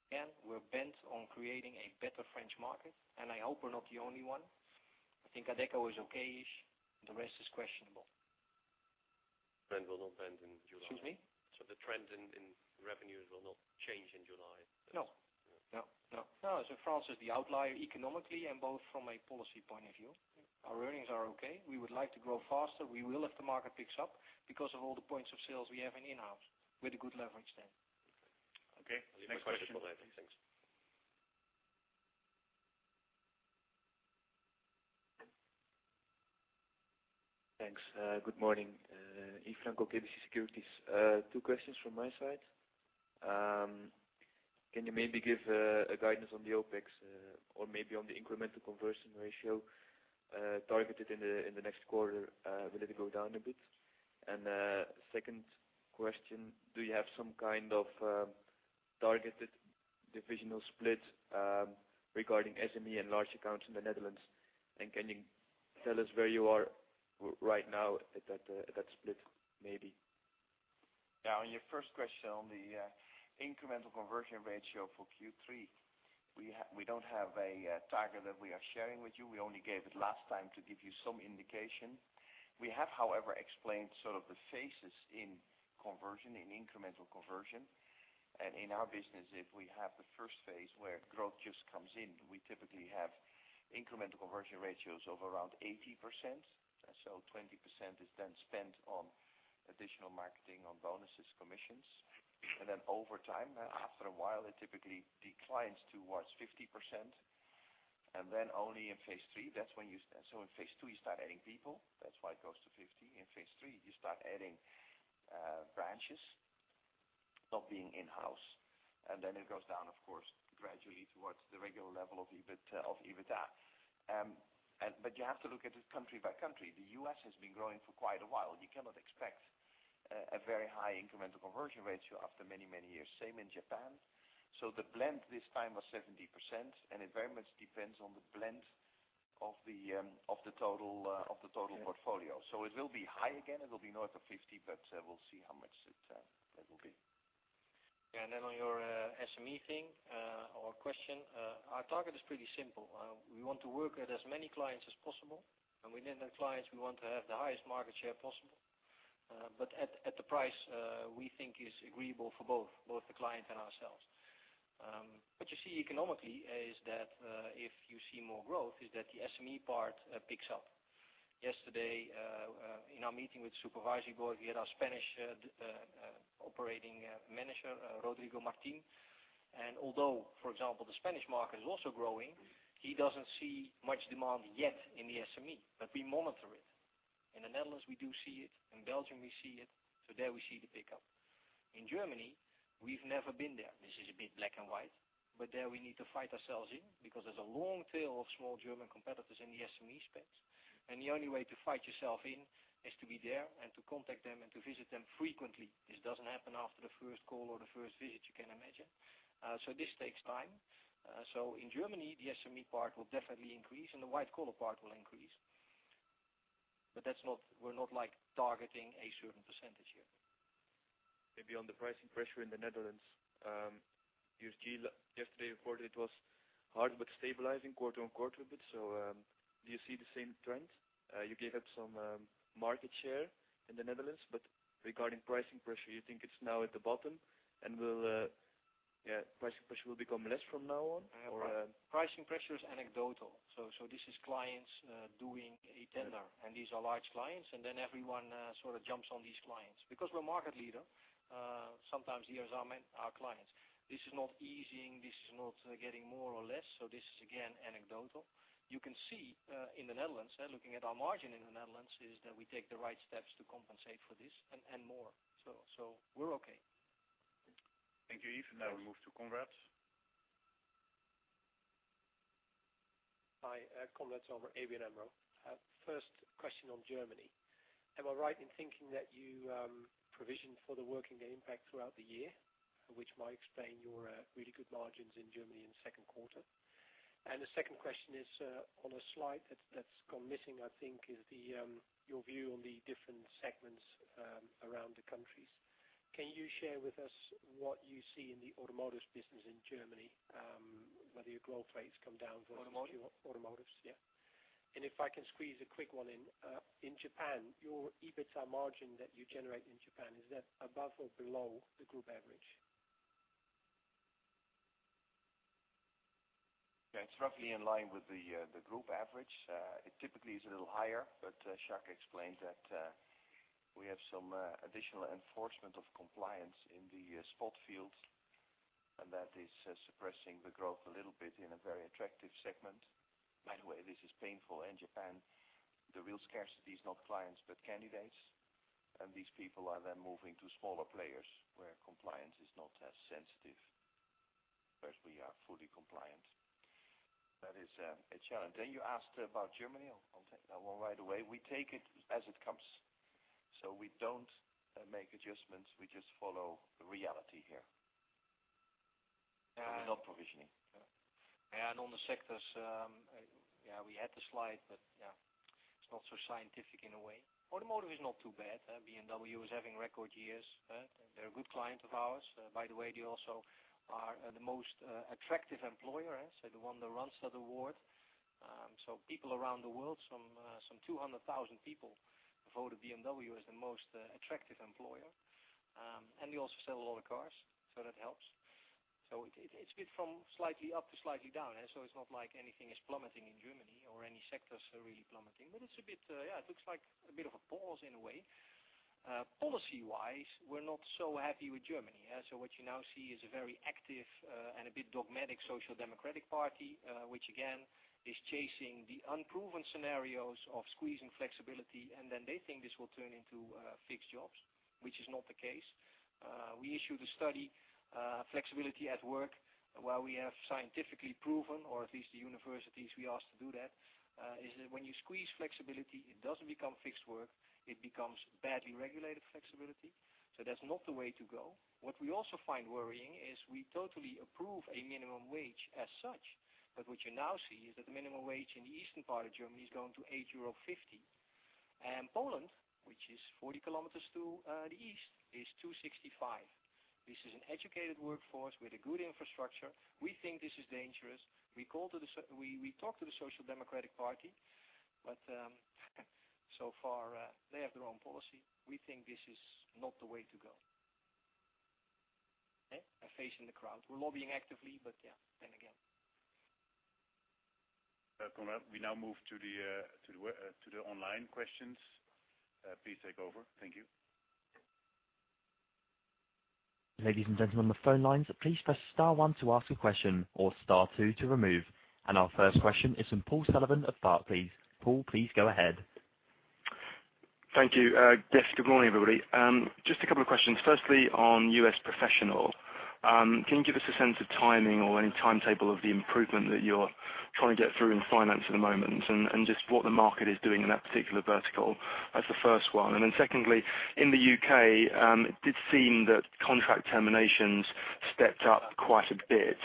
Again, we're bent on creating a better French market, and I hope we're not the only one. I think Adecco is okay-ish. The rest is questionable. Trend will not bend in July. Excuse me? The trends in revenues will not change in July. No. France is the outlier economically and both from a policy point of view. Our earnings are okay. We would like to grow faster. We will if the market picks up because of all the points of sales we have in in-house with a good leverage then. Okay. Okay. Next question. Thanks. Thanks. Good morning. Yves Franco, KBC Securities. Two questions from my side. Can you maybe give a guidance on the OPEX or maybe on the incremental conversion ratio targeted in the next quarter? Will it go down a bit? Second question, do you have some kind of targeted divisional split regarding SME and large accounts in the Netherlands? Can you tell us where you are right now at that split, maybe? On your first question on the incremental conversion ratio for Q3, we don't have a target that we are sharing with you. We only gave it last time to give you some indication. We have, however, explained sort of the phases in conversion, in incremental conversion. In our business, if we have the first phase where growth just comes in, we typically have incremental conversion ratios of around 80%. 20% is then spent on additional marketing, on bonuses, commissions. Then over time, after a while, it typically declines towards 50%. Then only in phase 3, in phase 2, you start adding people, that's why it goes to 50. In phase 3, you start adding branches, not being in-house, and then it goes down, of course, gradually towards the regular level of EBITA. You have to look at it country by country. The U.S. has been growing for quite a while. You cannot expect a very high incremental conversion ratio after many, many years. Same in Japan. The blend this time was 70%, and it very much depends on the blend of the total portfolio. It will be high again. It will be north of 50, but we'll see how much that will be. On your SME thing or question, our target is pretty simple. We want to work with as many clients as possible, and within the clients, we want to have the highest market share possible. At the price we think is agreeable for both the client and ourselves. What you see economically is that if you see more growth is that the SME part picks up. Yesterday, in our meeting with Supervisory Board, we had our Spanish operating manager, Rodrigo Martín. Although, for example, the Spanish market is also growing, he doesn't see much demand yet in the SME, but we monitor it. In the Netherlands, we do see it. In Belgium, we see it. There we see the pickup. In Germany, we've never been there. This is a bit black and white, there we need to fight ourselves in because there's a long tail of small German competitors in the SME space. The only way to fight yourself in is to be there and to contact them and to visit them frequently. This doesn't happen after the first call or the first visit, you can imagine. This takes time. In Germany, the SME part will definitely increase, and the white collar part will increase. We're not targeting a certain percentage here. Maybe on the pricing pressure in the Netherlands. USG yesterday reported it was hard but stabilizing quarter-on-quarter a bit. Do you see the same trends? You gave up some market share in the Netherlands, regarding pricing pressure, you think it's now at the bottom and pricing pressure will become less from now on? Pricing pressure is anecdotal. This is clients doing a tender, and these are large clients, then everyone sort of jumps on these clients. Because we're market leader, sometimes here is our clients. This is not easing. This is not getting more or less. This is again, anecdotal. You can see in the Netherlands, looking at our margin in the Netherlands, is that we take the right steps to compensate for this and more. We're okay. Thank you, Yves. Now we move to Konrad. Hi. Konrad Zomer, ABN AMRO. First question on Germany. Am I right in thinking that you provisioned for the working impact throughout the year, which might explain your really good margins in Germany in the second quarter? The second question is on a slide that's gone missing, I think, is your view on the different segments around the countries. Can you share with us what you see in the automotive business in Germany, whether your growth rates come down? Automotive, yeah. If I can squeeze a quick one in. In Japan, your EBITDA margin that you generate in Japan, is that above or below the group average? Yeah. It's roughly in line with the group average. It typically is a little higher, but Jacques explained that we have some additional enforcement of compliance in the spot field, and that is suppressing the growth a little bit in a very attractive segment. By the way, this is painful in Japan. The real scarcity is not clients but candidates, and these people are then moving to smaller players where compliance is not as sensitive. Of course, we are fully compliant. That is a challenge. You asked about Germany. I'll take that one right away. We take it as it comes. We don't make adjustments. We just follow the reality here. Yeah. We're not provisioning. On the sectors, we had the slide, but it's not so scientific in a way. Automotive is not too bad. BMW is having record years. They're a good client of ours. By the way, they also are the most attractive employer, they won the Randstad Award. People around the world, some 200,000 people, voted BMW as the most attractive employer. They also sell a lot of cars, that helps. It's been from slightly up to slightly down. It's not like anything is plummeting in Germany or any sectors are really plummeting. It looks like a bit of a pause in a way. Policy-wise, we're not so happy with Germany. What you now see is a very active and a bit dogmatic Social Democratic Party, which again is chasing the unproven scenarios of squeezing flexibility, they think this will turn into fixed jobs, which is not the case. We issued a study, Flexibility@work, where we have scientifically proven, or at least the universities we asked to do that, is that when you squeeze flexibility, it doesn't become fixed work. It becomes badly regulated flexibility. That's not the way to go. What we also find worrying is we totally approve a minimum wage as such, what you now see is that the minimum wage in the eastern part of Germany is going to 8.50 euro. Poland, which is 40 kilometers to the east, is 2.65. This is an educated workforce with a good infrastructure. We think this is dangerous. We talk to the Social Democratic Party, so far, they have their own policy. We think this is not the way to go. Okay. A face in the crowd. We're lobbying actively, yeah. Again. Konrad, we now move to the online questions. Please take over. Thank you. Ladies and gentlemen on the phone lines, please press star one to ask a question or star two to remove. Our first question is from Paul Sullivan of Barclays. Paul, please go ahead. Thank you. Yes, good morning, everybody. Just a couple of questions. Firstly, on U.S. professional, can you give us a sense of timing or any timetable of the improvement that you're trying to get through in finance at the moment and just what the market is doing in that particular vertical as the first one? Secondly, in the U.K., it did seem that contract terminations stepped up quite a bit.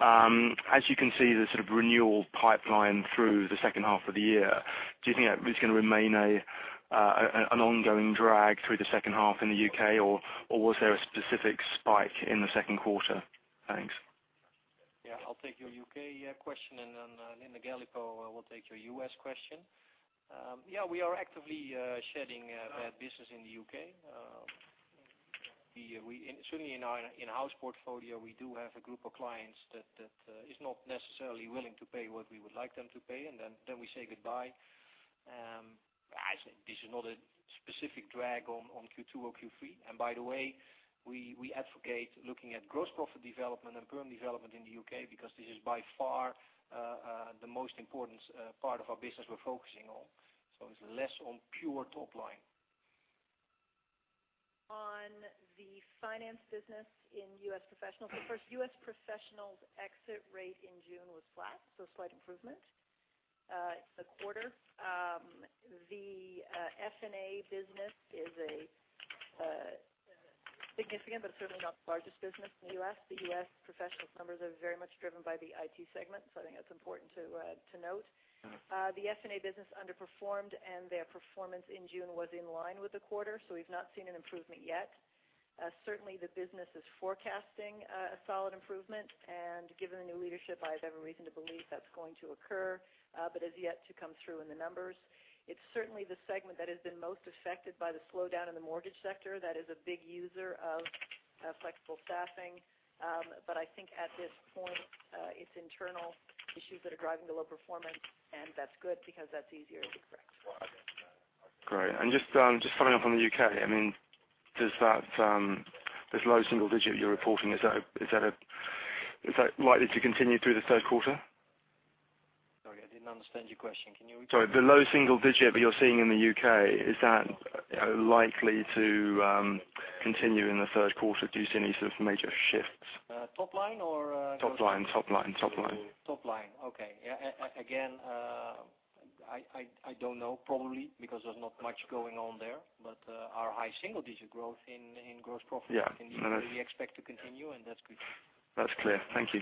As you can see, the sort of renewal pipeline through the second half of the year, do you think that is going to remain an ongoing drag through the second half in the U.K., or was there a specific spike in the second quarter? Thanks. Yeah. I'll take your U.K. question, Linda Galipeau will take your U.S. question. Yeah, we are actively shedding business in the U.K. Certainly in our in-house portfolio, we do have a group of clients that is not necessarily willing to pay what we would like them to pay, we say goodbye. This is not a specific drag on Q2 or Q3. By the way, we advocate looking at gross profit development and perm development in the U.K. because this is by far the most important part of our business we're focusing on. It's less on pure top line. On the F&A business in U.S. Professional, first, U.S. Professional's exit rate in June was flat, slight improvement. It's a quarter. The F&A business is significant but certainly not the largest business in the U.S. The U.S. Professional numbers are very much driven by the IT segment. I think that's important to note. The F&A business underperformed, their performance in June was in line with the quarter. We've not seen an improvement yet. Certainly, the business is forecasting a solid improvement, given the new leadership, I have every reason to believe that's going to occur but has yet to come through in the numbers. It's certainly the segment that has been most affected by the slowdown in the mortgage sector. That is a big user of flexible staffing. I think at this point, it's internal issues that are driving the low performance, and that's good because that's easier to correct. Great. Just following up on the U.K., this low single digit you're reporting, is that likely to continue through the third quarter? I didn't understand your question. Can you repeat? Sorry. The low single digit that you're seeing in the U.K., is that likely to continue in the third quarter? Do you see any sort of major shifts? Top line or gross profit? Top line. Top line. Okay. Yeah. Again, I don't know. Probably, because there's not much going on there. Our high single-digit growth in gross profit. Yeah We expect to continue, and that's good. That's clear. Thank you.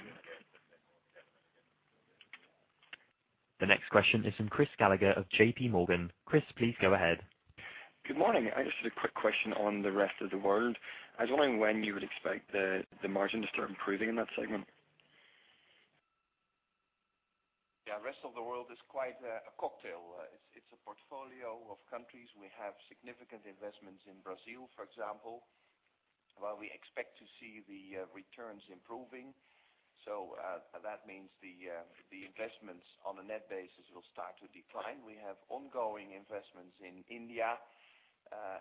The next question is from Chris Gallagher of JP Morgan. Chris, please go ahead. Good morning. I just had a quick question on the rest of the world. I was wondering when you would expect the margin to start improving in that segment. Yeah. Rest of the world is quite a cocktail. It's a portfolio of countries. We have significant investments in Brazil, for example, where we expect to see the returns improving. That means the investments on a net basis will start to decline. We have ongoing investments in India.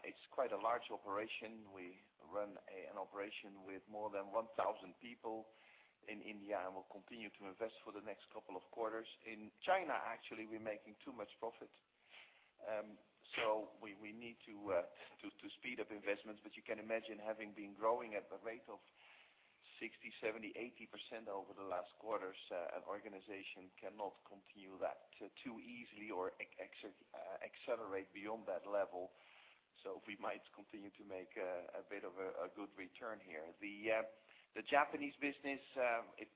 It's quite a large operation. We run an operation with more than 1,000 people in India and will continue to invest for the next couple of quarters. In China, actually, we're making too much profit. We need to speed up investments. You can imagine having been growing at the rate of 60%, 70%, 80% over the last quarters, an organization cannot continue that too easily or accelerate beyond that level. We might continue to make a bit of a good return here. The Japanese business, it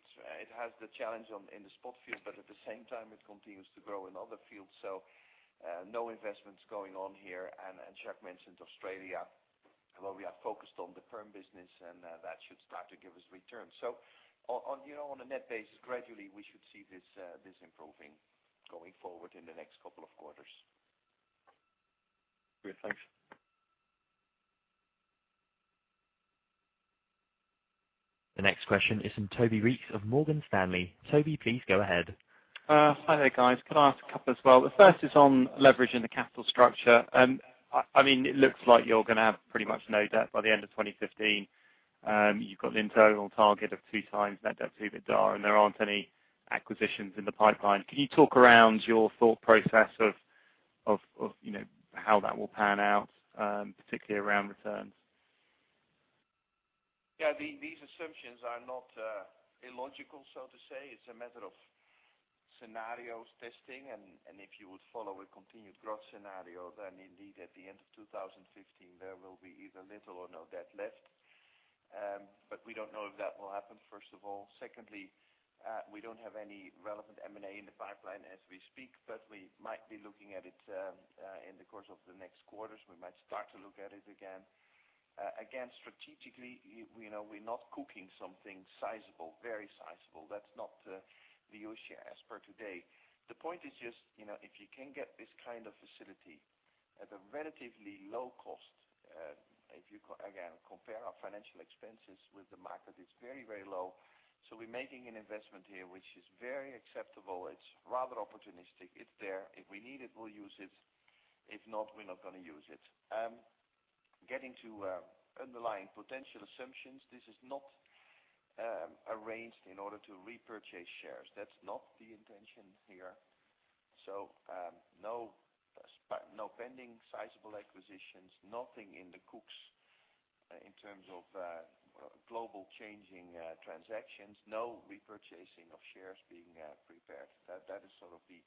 has the challenge in the spot field, but at the same time, it continues to grow in other fields. No investments going on here. Jacques mentioned Australia, where we are focused on the firm business, and that should start to give us returns. On a net basis, gradually, we should see this improving going forward in the next couple of quarters. Great. Thanks. The next question is from Toby Reeks of Morgan Stanley. Toby, please go ahead. Hi there, guys. Can I ask a couple as well? The first is on leverage in the capital structure. It looks like you're going to have pretty much no debt by the end of 2015. You've got an internal target of 2x net debt to EBITDA, and there aren't any acquisitions in the pipeline. Can you talk around your thought process of how that will pan out, particularly around returns? Yeah. These assumptions are not illogical, so to say. It's a matter of scenarios testing. If you would follow a continued growth scenario, then indeed, at the end of 2015, there will be either little or no debt left. We don't know if that will happen, first of all. Secondly, we don't have any relevant M&A in the pipeline as we speak, but we might be looking at it in the course of the next quarters. We might start to look at it again. Again, strategically, we're not cooking something sizable, very sizable. That's not the ocean as per today. The point is just, if you can get this kind of facility at a relatively low cost, if you, again, compare our financial expenses with the market, it's very low. We're making an investment here, which is very acceptable. It's rather opportunistic. It's there. If we need it, we'll use it. If not, we're not going to use it. Getting to underlying potential assumptions, this is not arranged in order to repurchase shares. That's not the intention here. No pending sizable acquisitions, nothing in the cooks in terms of global changing transactions, no repurchasing of shares being prepared. That is sort of the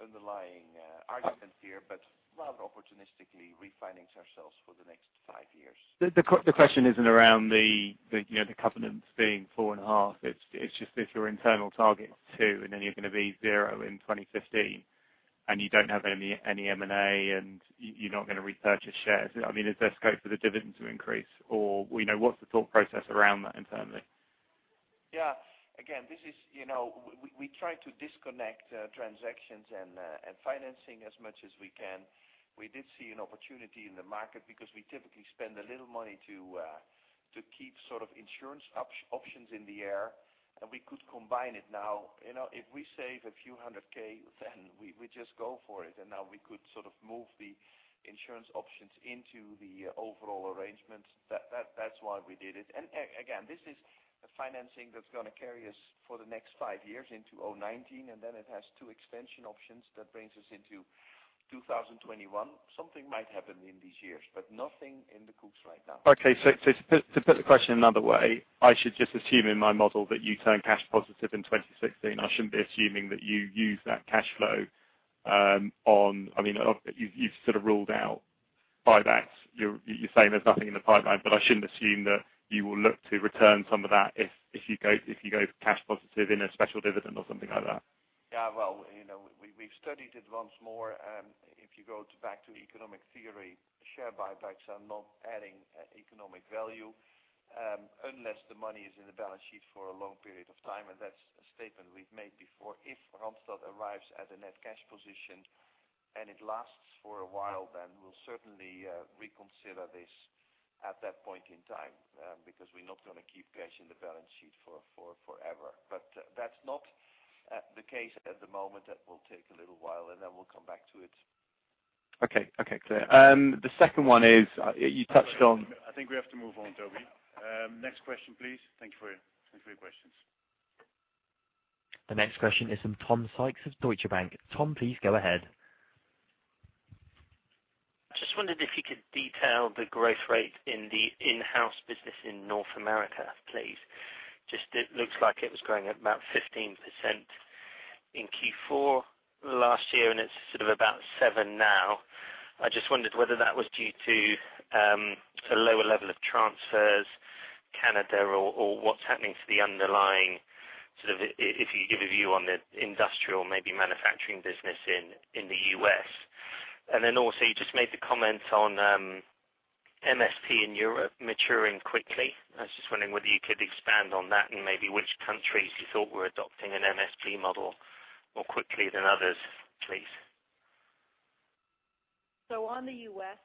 underlying argument here, but rather opportunistically refinance ourselves for the next five years. The question isn't around the covenants being four and a half. It's just that your internal target is 2, and then you're going to be 0 in 2015, and you don't have any M&A, and you're not going to repurchase shares. Is there scope for the dividend to increase? What's the thought process around that internally? Again, we try to disconnect transactions and financing as much as we can. We did see an opportunity in the market because we typically spend a little money to keep insurance options in the air, and we could combine it now. If we save a few 100K, then we just go for it, and now we could move the insurance options into the overall arrangement. That is why we did it. Again, this is a financing that is going to carry us for the next five years into 2019, and then it has two expansion options that brings us into 2021. Something might happen in these years, but nothing in the cooks right now. To put the question another way, I should just assume in my model that you turn cash positive in 2016. I shouldn't be assuming that you use that cash flow on-- You have sort of ruled out buybacks. You are saying there is nothing in the pipeline, I shouldn't assume that you will look to return some of that if you go cash positive in a special dividend or something like that? Well, we have studied it once more. If you go back to economic theory, share buybacks are not adding economic value unless the money is in the balance sheet for a long period of time, and that is a statement we have made before. If Randstad arrives at a net cash position and it lasts for a while, then we will certainly reconsider this at that point in time because we are not going to keep cash in the balance sheet forever. But that is not the case at the moment. That will take a little while, and then we will come back to it. Clear. The second one is, you touched on- I think we have to move on, Toby. Next question, please. Thank you for your questions. The next question is from Tom Sykes of Deutsche Bank. Tom, please go ahead. I just wondered if you could detail the growth rate in the in-house business in North America, please. It looks like it was growing at about 15% in Q4 last year, and it's sort of about 7% now. I just wondered whether that was due to a lower level of transfers, Canada, or what's happening to the underlying, if you give a view on the industrial, maybe manufacturing business in the U.S. Then also, you just made the comment on MSP in Europe maturing quickly. I was just wondering whether you could expand on that and maybe which countries you thought were adopting an MSP model more quickly than others, please. On the U.S.,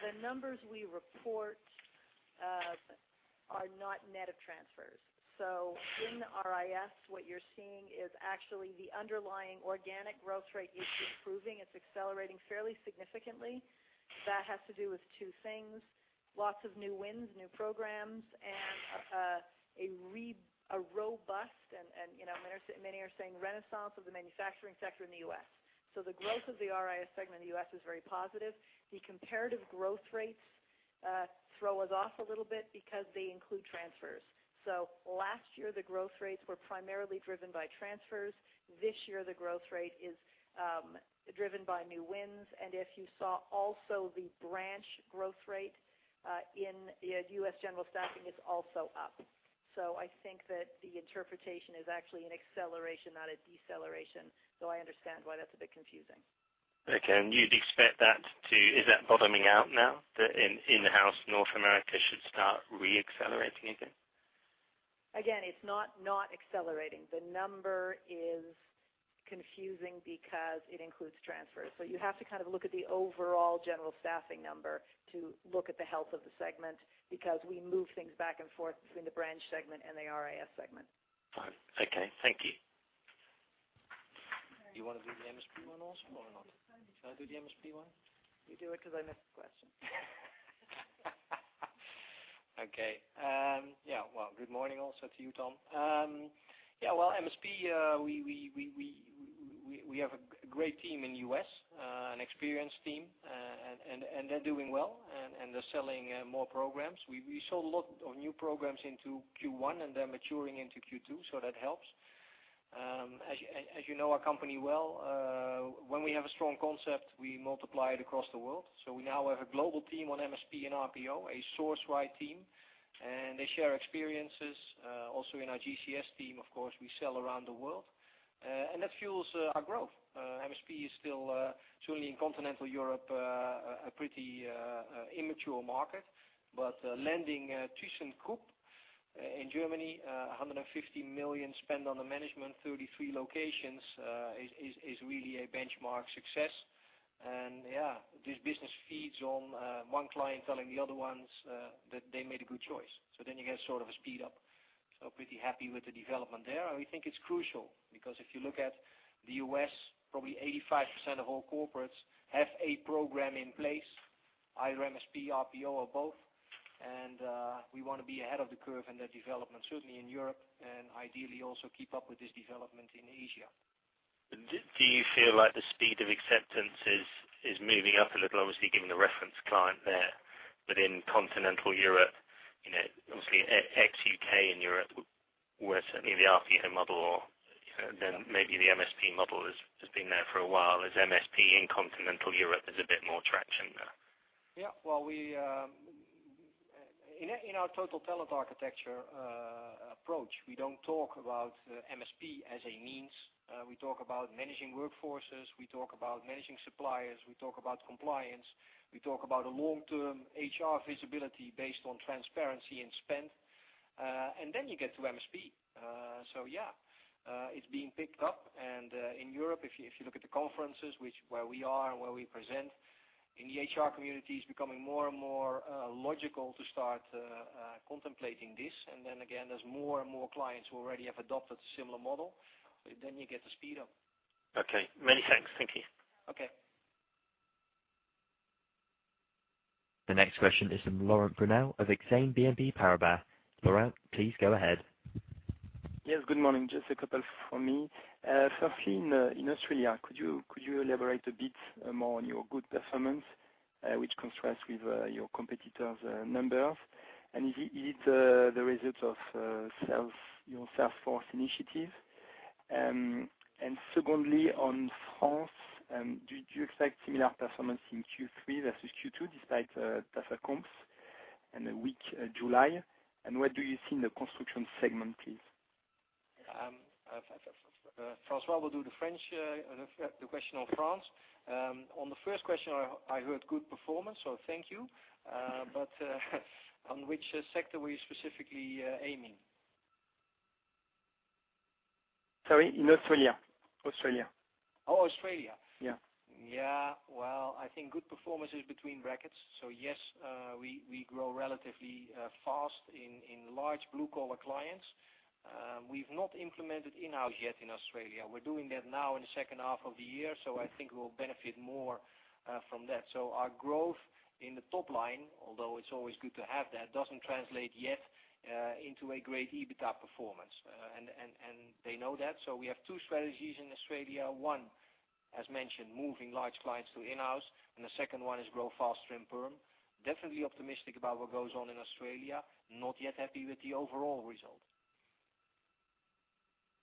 the numbers we report are not net of transfers. In the RIS, what you're seeing is actually the underlying organic growth rate is improving. It's accelerating fairly significantly. That has to do with two things, lots of new wins, new programs, and a robust, and many are saying renaissance of the manufacturing sector in the U.S. The growth of the RIS segment in the U.S. is very positive. The comparative growth rates throw us off a little bit because they include transfers. Last year, the growth rates were primarily driven by transfers. This year, the growth rate is driven by new wins. If you saw also the branch growth rate in U.S. general staffing is also up. I think that the interpretation is actually an acceleration, not a deceleration, though I understand why that's a bit confusing. Okay. Is that bottoming out now? The in-house North America should start re-accelerating again? It's not not accelerating. The number is confusing because it includes transfers. You have to look at the overall general staffing number to look at the health of the segment because we move things back and forth between the branch segment and the RIS segment. Fine. Okay. Thank you. Do you want to do the MSP one also or not? Shall I do the MSP one? You do it because I missed the question. Good morning also to you, Tom. MSP, we have a great team in the U.S., an experienced team, and they're doing well, and they're selling more programs. We sold a lot of new programs into Q1, and they're maturing into Q2, that helps. As you know our company well, when we have a strong concept, we multiply it across the world. We now have a global team on MSP and RPO, a SourceRight team, and they share experiences. In our GCS team, of course, we sell around the world. That fuels our growth. MSP is still, certainly in continental Europe, a pretty immature market, but landing ThyssenKrupp in Germany, 150 million spent on the management, 33 locations, is really a benchmark success. Yeah, this business feeds on one client telling the other ones that they made a good choice. You get sort of a speed up. Pretty happy with the development there. We think it's crucial because if you look at the U.S., probably 85% of all corporates have a program in place, either MSP, RPO, or both. We want to be ahead of the curve in that development, certainly in Europe, and ideally also keep up with this development in Asia. Do you feel like the speed of acceptance is moving up a little, obviously given the reference client there? In continental Europe, obviously ex-U.K. and Europe, where certainly the RPO model or then maybe the MSP model has been there for a while. Has MSP in continental Europe, there's a bit more traction there? Yeah. In our total talent architecture approach, we don't talk about MSP as a means. We talk about managing workforces. We talk about managing suppliers. We talk about compliance. We talk about a long-term HR visibility based on transparency and spend. Then you get to MSP. Yeah, it's being picked up. In Europe, if you look at the conferences, where we are and where we present, in the HR community, it's becoming more and more logical to start contemplating this. Again, there's more and more clients who already have adopted a similar model. You get the speed up. Okay. Many thanks. Thank you. Okay. The next question is from Laurent Grenu of Exane BNP Paribas. Laurent, please go ahead. Yes, good morning. Just a couple from me. Firstly, in Australia, could you elaborate a bit more on your good performance, which contrasts with your competitors' numbers? Is it the results of your Salesforce initiative? Secondly, on France, do you expect similar performance in Q3 versus Q2, despite the CICE and the weak July? Where do you see in the construction segment, please? François will do the question on France. The first question, I heard good performance, thank you. Which sector were you specifically aiming? Sorry, in Australia. Australia? Yeah. I think good performance is between brackets. Yes, we grow relatively fast in large blue-collar clients. We've not implemented in-house yet in Australia. We're doing that now in the second half of the year, I think we'll benefit more from that. Our growth in the top line, although it's always good to have that, doesn't translate yet into a great EBITDA performance. They know that. We have two strategies in Australia. One, as mentioned, moving large clients to in-house, and the second one is grow faster in perm. Definitely optimistic about what goes on in Australia. Not yet happy with the overall result.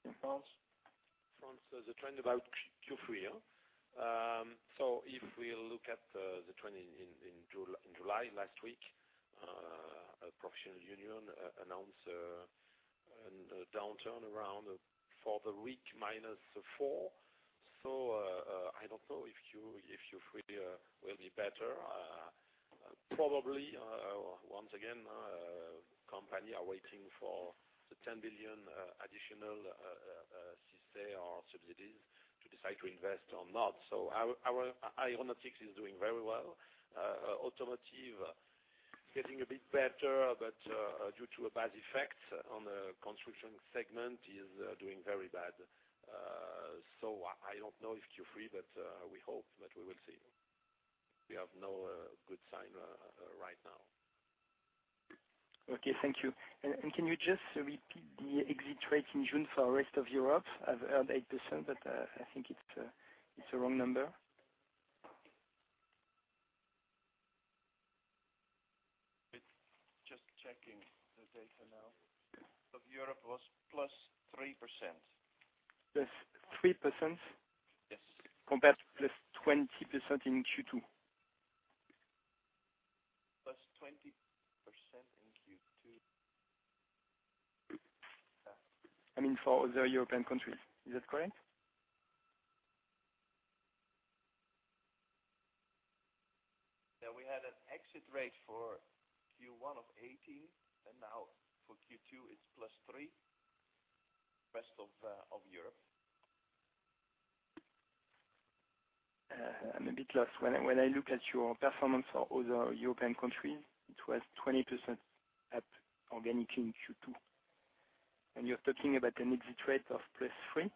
In France? France, the trend about Q3. If we look at the trend in July, last week, professional union announced a downturn around for the week, -4%. I don't know if Q3 will be better. Probably, once again, companies are waiting for the 10 billion additional CICE or subsidies to decide to invest or not. Aeronautics is doing very well. Automotive getting a bit better, but due to a bad effect on the construction segment is doing very bad. I don't know if Q3, but we hope, but we will see. We have no good sign right now. Okay. Thank you. Can you just repeat the exit rate in June for rest of Europe? I've heard 8%, but I think it's a wrong number. Just checking the data now. Of Europe was +3%. +3%? Yes. Compared to +20% in Q2. +20% in Q2? I mean, for other European countries. Is that correct? Yeah, we had an exit rate for Q1 of 18, now for Q2, it's +3, rest of Europe. I'm a bit lost. When I look at your performance for other European countries, it was 20% up organic in Q2. You're talking about an exit rate of plus 3%?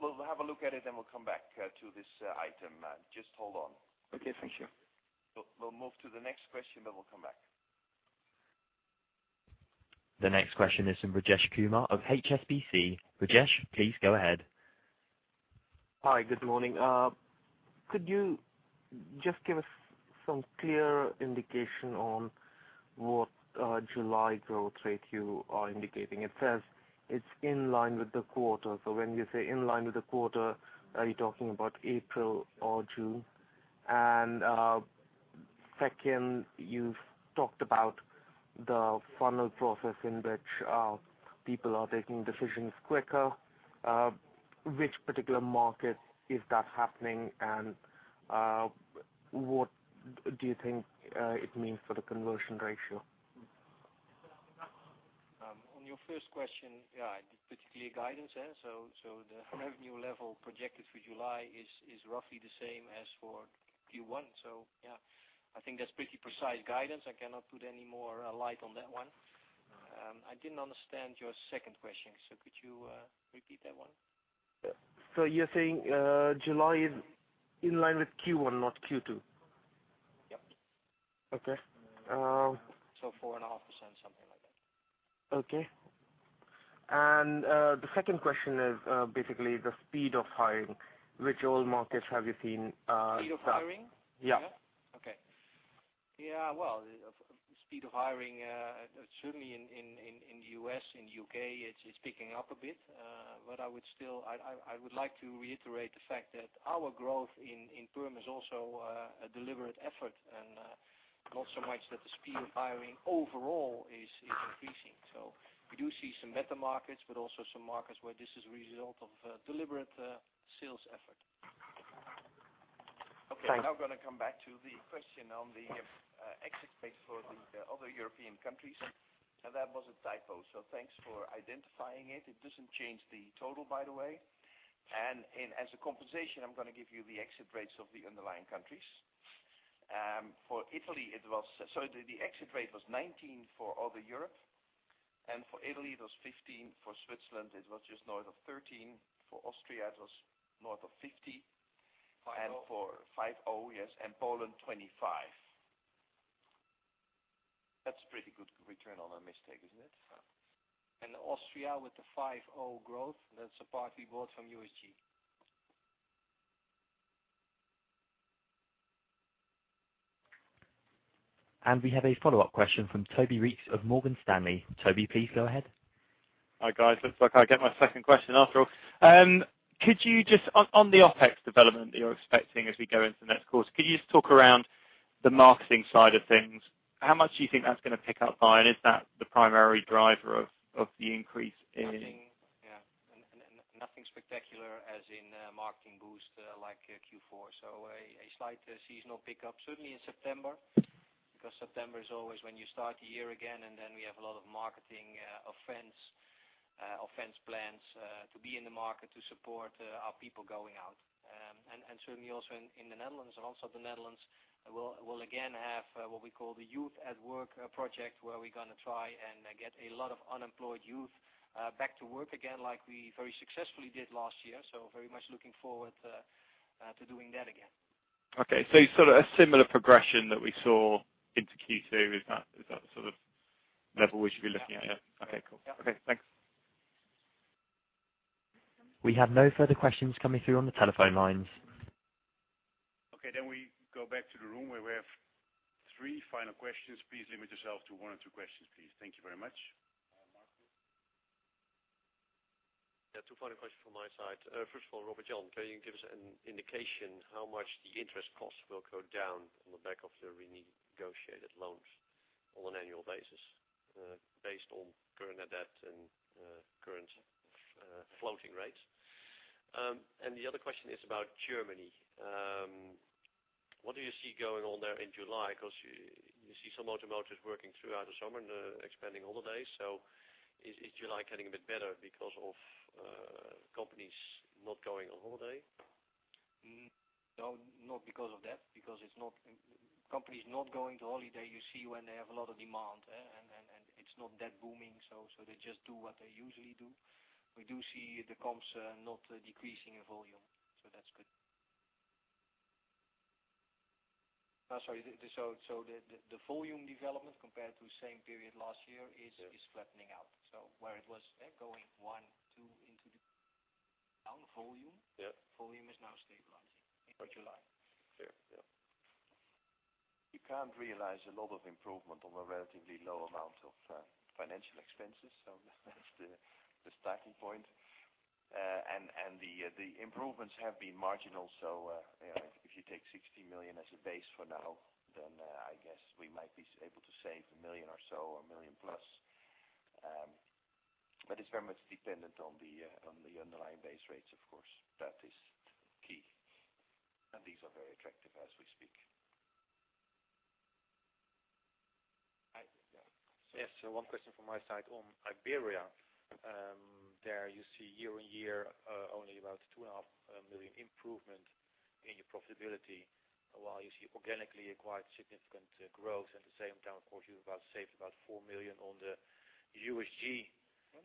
We'll have a look at it and we'll come back to this item. Just hold on. Okay. Thank you. We'll move to the next question, then we'll come back. The next question is from Rajesh Kumar of HSBC. Rajesh, please go ahead. Hi. Good morning. Could you just give us some clear indication on what July growth rate you are indicating? It says it's in line with the quarter. When you say in line with the quarter, are you talking about April or June? Second, you've talked about the funnel process in which people are taking decisions quicker. Which particular market is that happening, and what do you think it means for the conversion ratio? On your first question, yeah, particularly guidance. The revenue level projected for July is roughly the same as for Q1. Yeah, I think that's pretty precise guidance. I cannot put any more light on that one. I didn't understand your second question, could you repeat that one? You're saying July is in line with Q1, not Q2? Yep. Okay. 4.5%, something like that. Okay. The second question is basically the speed of hiring. Which all markets have you seen- Speed of hiring? Yeah. Okay. Yeah, well, speed of hiring certainly in the U.S., in U.K., it's picking up a bit. I would like to reiterate the fact that our growth in perm is also a deliberate effort, and not so much that the speed of hiring overall is increasing. We do see some meta markets, but also some markets where this is a result of deliberate sales effort. Thanks. Okay. Now I'm going to come back to the question on the exit rate for the other European countries. That was a typo, so thanks for identifying it. It doesn't change the total, by the way. As a compensation, I'm going to give you the exit rates of the underlying countries. Sorry, the exit rate was 19 for all Europe, and for Italy, it was 15. For Switzerland, it was just north of 13. For Austria, it was north of 15. 50. 50, yes. Poland, 25. That's pretty good return on a mistake, isn't it? Austria with the 5.0 growth, that's the part we bought from USG. We have a follow-up question from Toby Reeks of Morgan Stanley. Toby, please go ahead. Hi, guys. Looks like I get my second question after all. On the OpEx development that you're expecting as we go into the next quarter, could you just talk around the marketing side of things? How much do you think that's going to pick up by, and is that the primary driver of the increase in? Spectacular as in marketing boost like Q4. A slight seasonal pickup certainly in September, because September is always when you start the year again, and then we have a lot of marketing offense plans to be in the market to support our people going out. Certainly also in the Netherlands, we'll again have what we call the Youth at Work project, where we're going to try and get a lot of unemployed youth back to work again, like we very successfully did last year. Very much looking forward to doing that again. Okay. You sort of a similar progression that we saw into Q2, is that the sort of level we should be looking at? Yeah. Okay, cool. Yeah. Okay, thanks. We have no further questions coming through on the telephone lines. Okay, we go back to the room where we have 3 final questions. Please limit yourself to one or two questions, please. Thank you very much. Marc. two final questions from my side. First of all, Robert Jan, can you give us an indication how much the interest costs will go down on the back of the renegotiated loans on an annual basis, based on current EBITDA and current floating rates? The other question is about Germany. What do you see going on there in July? Because you see some automotives working throughout the summer and expanding holidays. Is July getting a bit better because of companies not going on holiday? No, not because of that. Companies not going to holiday, you see when they have a lot of demand. It's not that booming, they just do what they usually do. We do see the comps not decreasing in volume. That's good. Sorry. The volume development compared to the same period last year is flattening out. Where it was going one, two into the down volume. Yeah. Volume is now stabilizing in July. Fair. Yeah. You can't realize a lot of improvement on a relatively low amount of financial expenses. That's the starting point. The improvements have been marginal. If you take 60 million as a base for now, then I guess we might be able to save 1 million or so or 1 million plus. It's very much dependent on the underlying base rates of course. That is key. These are very attractive as we speak. Hi. Yeah. Yes, one question from my side on Iberia. There you see year-over-year, only about two and a half million improvement in your profitability, while you see organically a quite significant growth. At the same time, of course, you've saved about 4 million on the USG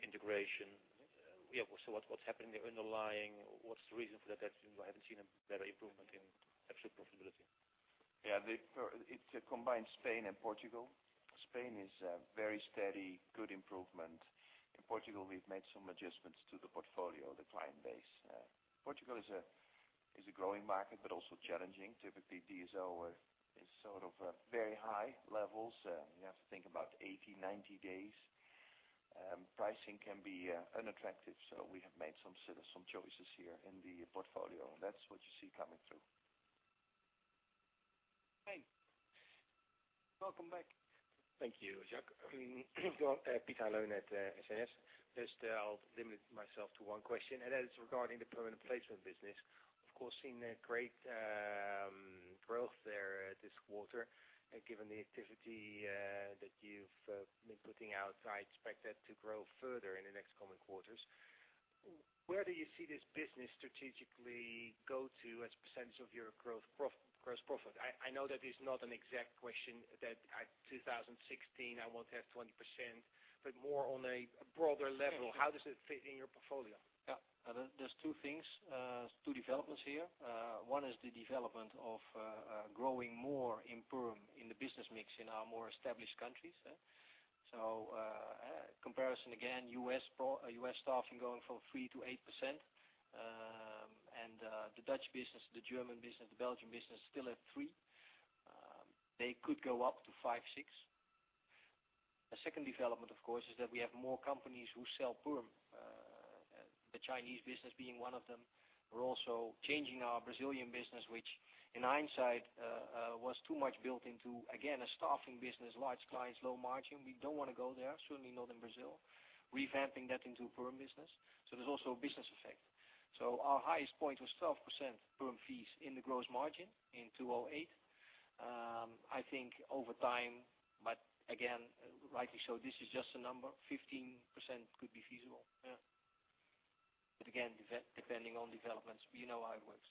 integration. What's happening in the underlying, what's the reason for that? I haven't seen a better improvement in absolute profitability. Yeah. It combines Spain and Portugal. Spain is a very steady, good improvement. In Portugal, we've made some adjustments to the portfolio, the client base. Portugal is a growing market, but also challenging. Typically, DSO is sort of very high levels. You have to think about 80, 90 days. Pricing can be unattractive. We have made some choices here in the portfolio. That's what you see coming through. Thanks. Welcome back. Thank you, Jacques. Piet Hein Lodewijks at SNS. Just I'll limit myself to one question, and that is regarding the permanent placement business. Of course, seeing a great growth there this quarter. Given the activity that you've been putting out, I expect that to grow further in the next coming quarters. Where do you see this business strategically go to as a percentage of your gross profit? I know that it's not an exact question that at 2016 I want to have 20%, but more on a broader level, how does it fit in your portfolio? Yeah. There's two things, two developments here. One is the development of growing more in perm in the business mix in our more established countries. Comparison again, U.S. staffing going from 3% to 8%. The Dutch business, the German business, the Belgian business still at 3%. They could go up to 5%, 6%. The second development, of course, is that we have more companies who sell perm. The Chinese business being one of them. We're also changing our Brazilian business, which in hindsight, was too much built into, again, a staffing business, large clients, low margin. We don't want to go there. Certainly not in Brazil. Revamping that into a perm business. There's also a business effect. Our highest point was 12% perm fees in the gross margin in 2008. I think over time, but again, rightly so, this is just a number, 15% could be feasible. Yeah. But again, depending on developments. You know how it works.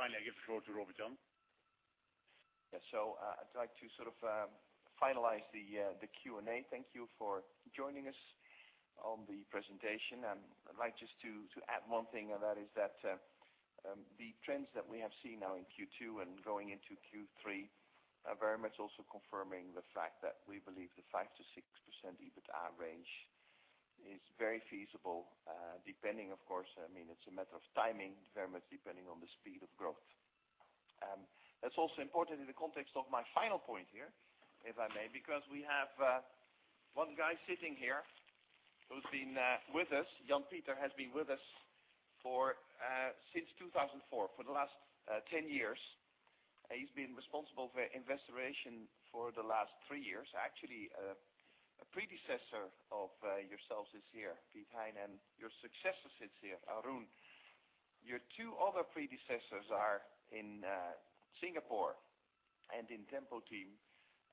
Finally, I give the floor to Robert Jan. I'd like to sort of finalize the Q&A. Thank you for joining us on the presentation. I'd like just to add one thing, and that is that the trends that we have seen now in Q2 and going into Q3 are very much also confirming the fact that we believe the 5%-6% EBITDA range is very feasible depending, of course I mean, it's a matter of timing very much depending on the speed of growth. That's also important in the context of my final point here, if I may, because we have one guy sitting here who's been with us. Jan-Pieter has been with us since 2004, for the last 10 years. He's been responsible for Investor Relations for the last three years. Actually, a predecessor of yourselves is here, Piet Hein, and your successor sits here, Arun. Your two other predecessors are in Singapore and in Tempo-Team,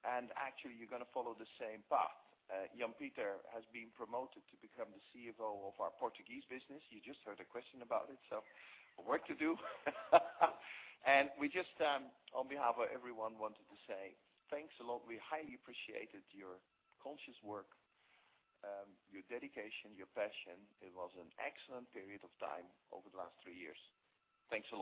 and actually you're going to follow the same path. Jan-Pieter has been promoted to become the CFO of our Portuguese business. You just heard a question about it, work to do. We just, on behalf of everyone, wanted to say thanks a lot. We highly appreciated your conscientious work, your dedication, your passion. It was an excellent period of time over the last three years. Thanks a lot.